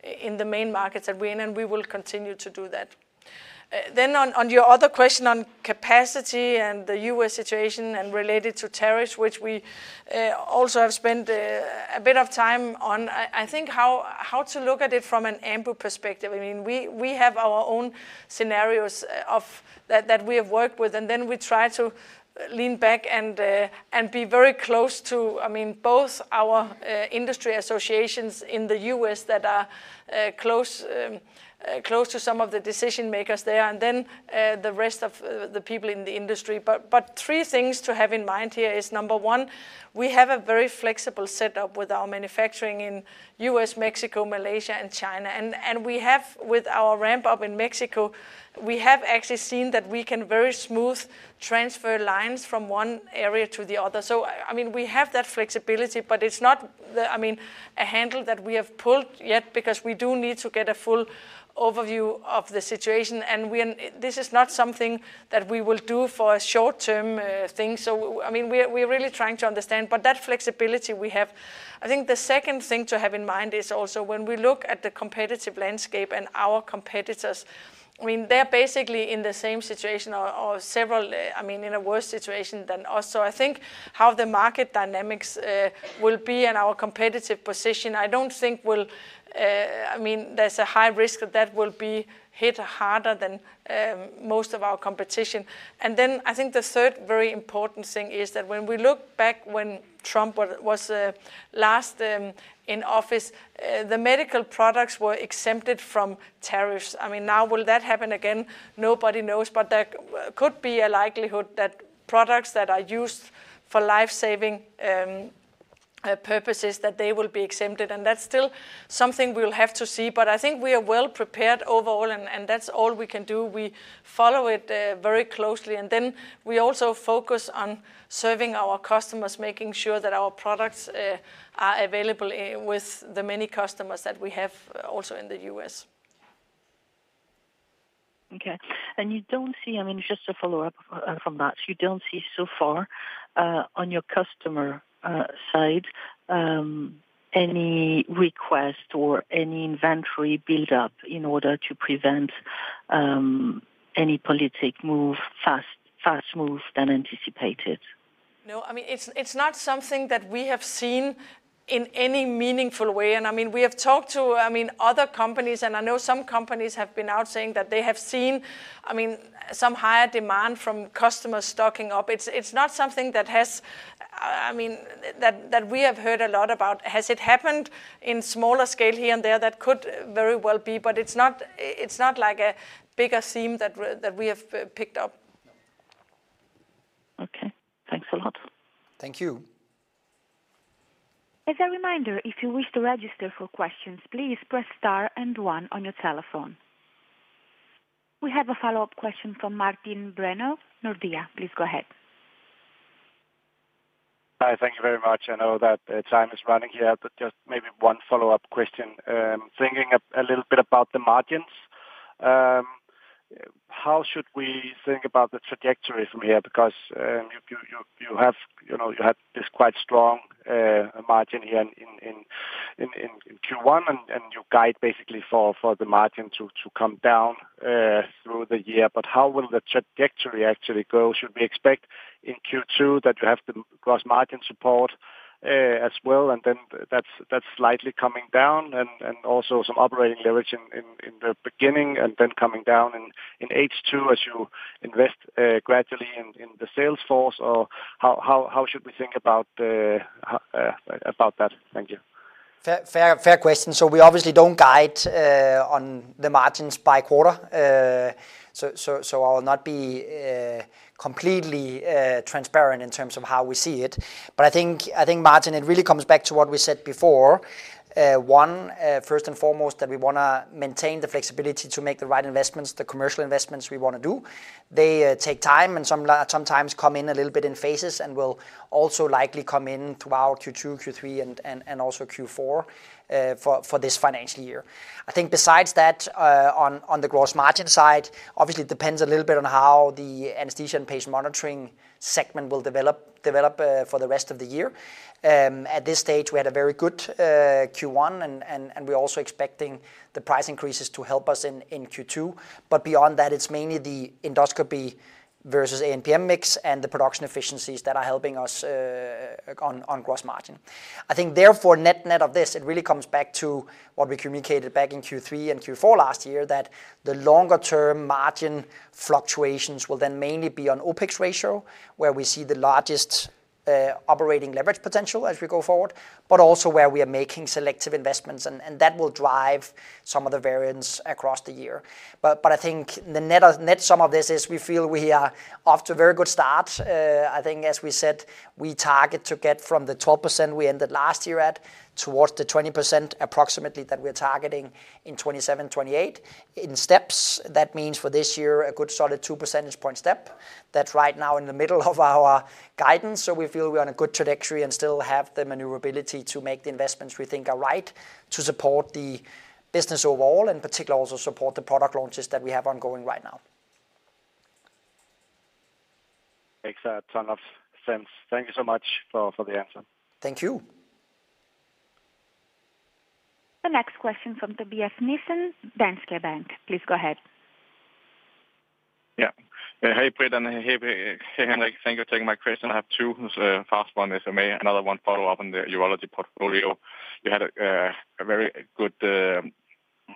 in the main markets that we're in, and we will continue to do that. Then on your other question on capacity and the U.S. situation and related to tariffs, which we also have spent a bit of time on, I think how to look at it from an Ambu perspective. I mean, we have our own scenarios that we have worked with, and then we try to lean back and be very close to, I mean, both our industry associations in the U.S. that are close to some of the decision-makers there and then the rest of the people in the industry. But three things to have in mind here is number one, we have a very flexible setup with our manufacturing in U.S., Mexico, Malaysia, and China. And we have, with our ramp-up in Mexico, we have actually seen that we can very smooth transfer lines from one area to the other. So, I mean, we have that flexibility, but it's not, I mean, a handle that we have pulled yet because we do need to get a full overview of the situation. And this is not something that we will do for a short-term thing. So, I mean, we are really trying to understand. But that flexibility we have. I think the second thing to have in mind is also when we look at the competitive landscape and our competitors. I mean, they're basically in the same situation or several, I mean, in a worse situation than us. So I think how the market dynamics will be and our competitive position. I don't think will, I mean, there's a high risk that that will be hit harder than most of our competition. And then I think the third very important thing is that when we look back when Trump was last in office, the medical products were exempted from tariffs. I mean, now will that happen again? Nobody knows. But there could be a likelihood that products that are used for life-saving purposes, that they will be exempted. And that's still something we'll have to see. But I think we are well prepared overall, and that's all we can do. We follow it very closely. And then we also focus on serving our customers, making sure that our products are available with the many customers that we have also in the U.S. Okay. And you don't see, I mean, just a follow-up from that. You don't see so far on your customer side any request or any inventory build-up in order to prevent any political move, faster move than anticipated? No, I mean, it's not something that we have seen in any meaningful way. And I mean, we have talked to, I mean, other companies, and I know some companies have been out saying that they have seen, I mean, some higher demand from customers stocking up. It's not something that has, I mean, that we have heard a lot about. Has it happened in smaller scale here and there? That could very well be, but it's not like a bigger theme that we have picked up. Okay. Thanks a lot. Thank you. As a reminder, if you wish to register for questions, please press star and one on your telephone. We have a follow-up question from Martin Brenøe, Nordea. Please go ahead. Hi. Thank you very much. I know that time is running here, but just maybe one follow-up question. Thinking a little bit about the margins, how should we think about the trajectory from here? Because you have this quite strong margin here in Q1, and you guide basically for the margin to come down through the year. But how will the trajectory actually go? Should we expect in Q2 that you have the gross margin support as well, and then that's slightly coming down, and also some operating leverage in the beginning, and then coming down in H2 as you invest gradually in the sales force? Or how should we think about that? Thank you. Fair question. So we obviously don't guide on the margins by quarter. So I'll not be completely transparent in terms of how we see it. But I think, Martin, it really comes back to what we said before. One, first and foremost, that we want to maintain the flexibility to make the right investments, the commercial investments we want to do. They take time and sometimes come in a little bit in phases and will also likely come in throughout Q2, Q3, and also Q4 for this financial year. I think besides that, on the gross margin side, obviously it depends a little bit on how the Anesthesia and Patient Monitoring segment will develop for the rest of the year. At this stage, we had a very good Q1, and we're also expecting the price increases to help us in Q2, but beyond that, it's mainly the endoscopy versus ANPM mix and the production efficiencies that are helping us on gross margin. I think therefore, net-net of this, it really comes back to what we communicated back in Q3 and Q4 last year, that the longer-term margin fluctuations will then mainly be on OpEx ratio, where we see the largest operating leverage potential as we go forward, but also where we are making selective investments, and that will drive some of the variance across the year. But I think the net sum of this is we feel we are off to a very good start. I think, as we said, we target to get from the 12% we ended last year at towards the 20% approximately that we are targeting in 2027, 2028 in steps. That means for this year, a good solid 2 percentage point step. That's right now in the middle of our guidance. So we feel we're on a good trajectory and still have the maneuverability to make the investments we think are right to support the business overall, and particularly also support the product launches that we have ongoing right now. Makes a ton of sense. Thank you so much for the answer. Thank you. The next question from Tobias Berg Nissen, Danske Bank. Please go ahead. Yeah. Hey, Britt and hey, Henrik. Thank you for taking my question. I have two fast ones. Another one follow-up on the urology portfolio. You had a very good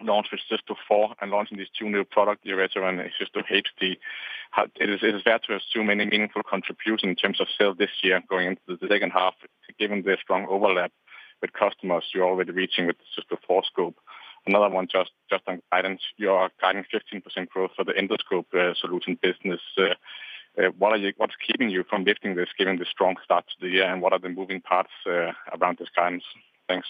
launch with aScope 4 and launching these two new products, aScope 5 Uretero and aScope 5 Cysto HD. It is fair to assume any meaningful contribution in terms of sales this year going into the second half, given the strong overlap with customers you're already reaching with aScope 4 scope. Another one just on guidance. You're guiding 15% growth for the Endoscopy Solution business. What's keeping you from lifting this, given the strong start to the year, and what are the moving parts around this guidance? Thanks.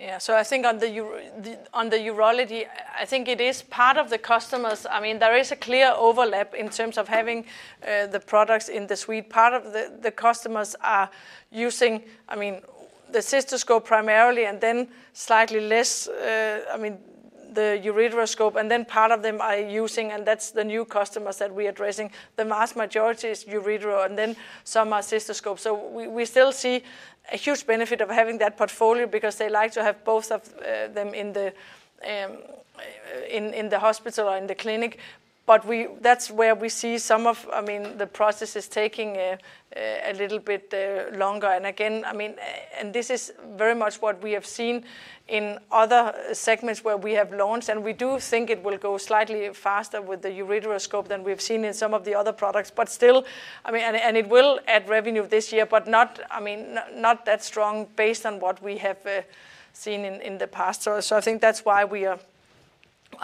Yeah. So I think on the Urology, I think it is part of the customers. I mean, there is a clear overlap in terms of having the products in the suite. Part of the customers are using, I mean, the cystoscope primarily and then slightly less, I mean, the ureteroscope, and then part of them are using, and that's the new customers that we're addressing. The vast majority is uretero, and then some are cystoscope. So we still see a huge benefit of having that portfolio because they like to have both of them in the hospital or in the clinic. That's where we see some of, I mean, the process is taking a little bit longer. Again, I mean, and this is very much what we have seen in other segments where we have launched. We do think it will go slightly faster with the ureteroscope than we've seen in some of the other products. Still, I mean, and it will add revenue this year, but I mean, not that strong based on what we have seen in the past. I think that's why we are,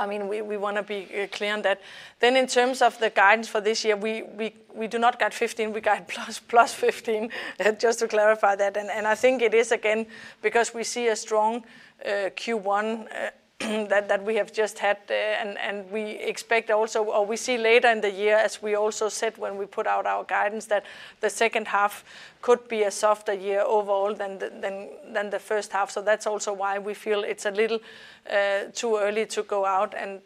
I mean, we want to be clear on that. In terms of the guidance for this year, we do not guide 15%, we guide +15%, just to clarify that. And I think it is, again, because we see a strong Q1 that we have just had, and we expect also, or we see later in the year, as we also said when we put out our guidance, that the second half could be a softer year overall than the first half. So that's also why we feel it's a little too early to go out and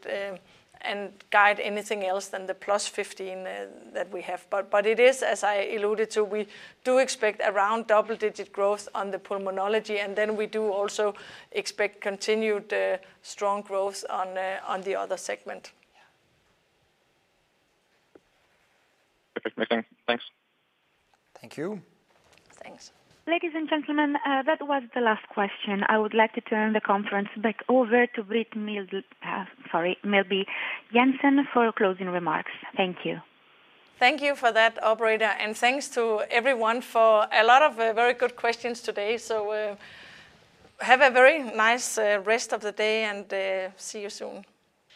guide anything else than the +15% that we have. But it is, as I alluded to, we do expect around double-digit growth on the pulmonology, and then we do also expect continued strong growth on the other segment. Perfect. Thanks. Thank you. Thanks. Ladies and gentlemen, that was the last question. I would like to turn the conference back over to Britt Meelby Jensen for closing remarks. Thank you. Thank you for that, operator. Thanks to everyone for a lot of very good questions today. Have a very nice rest of the day and see you soon.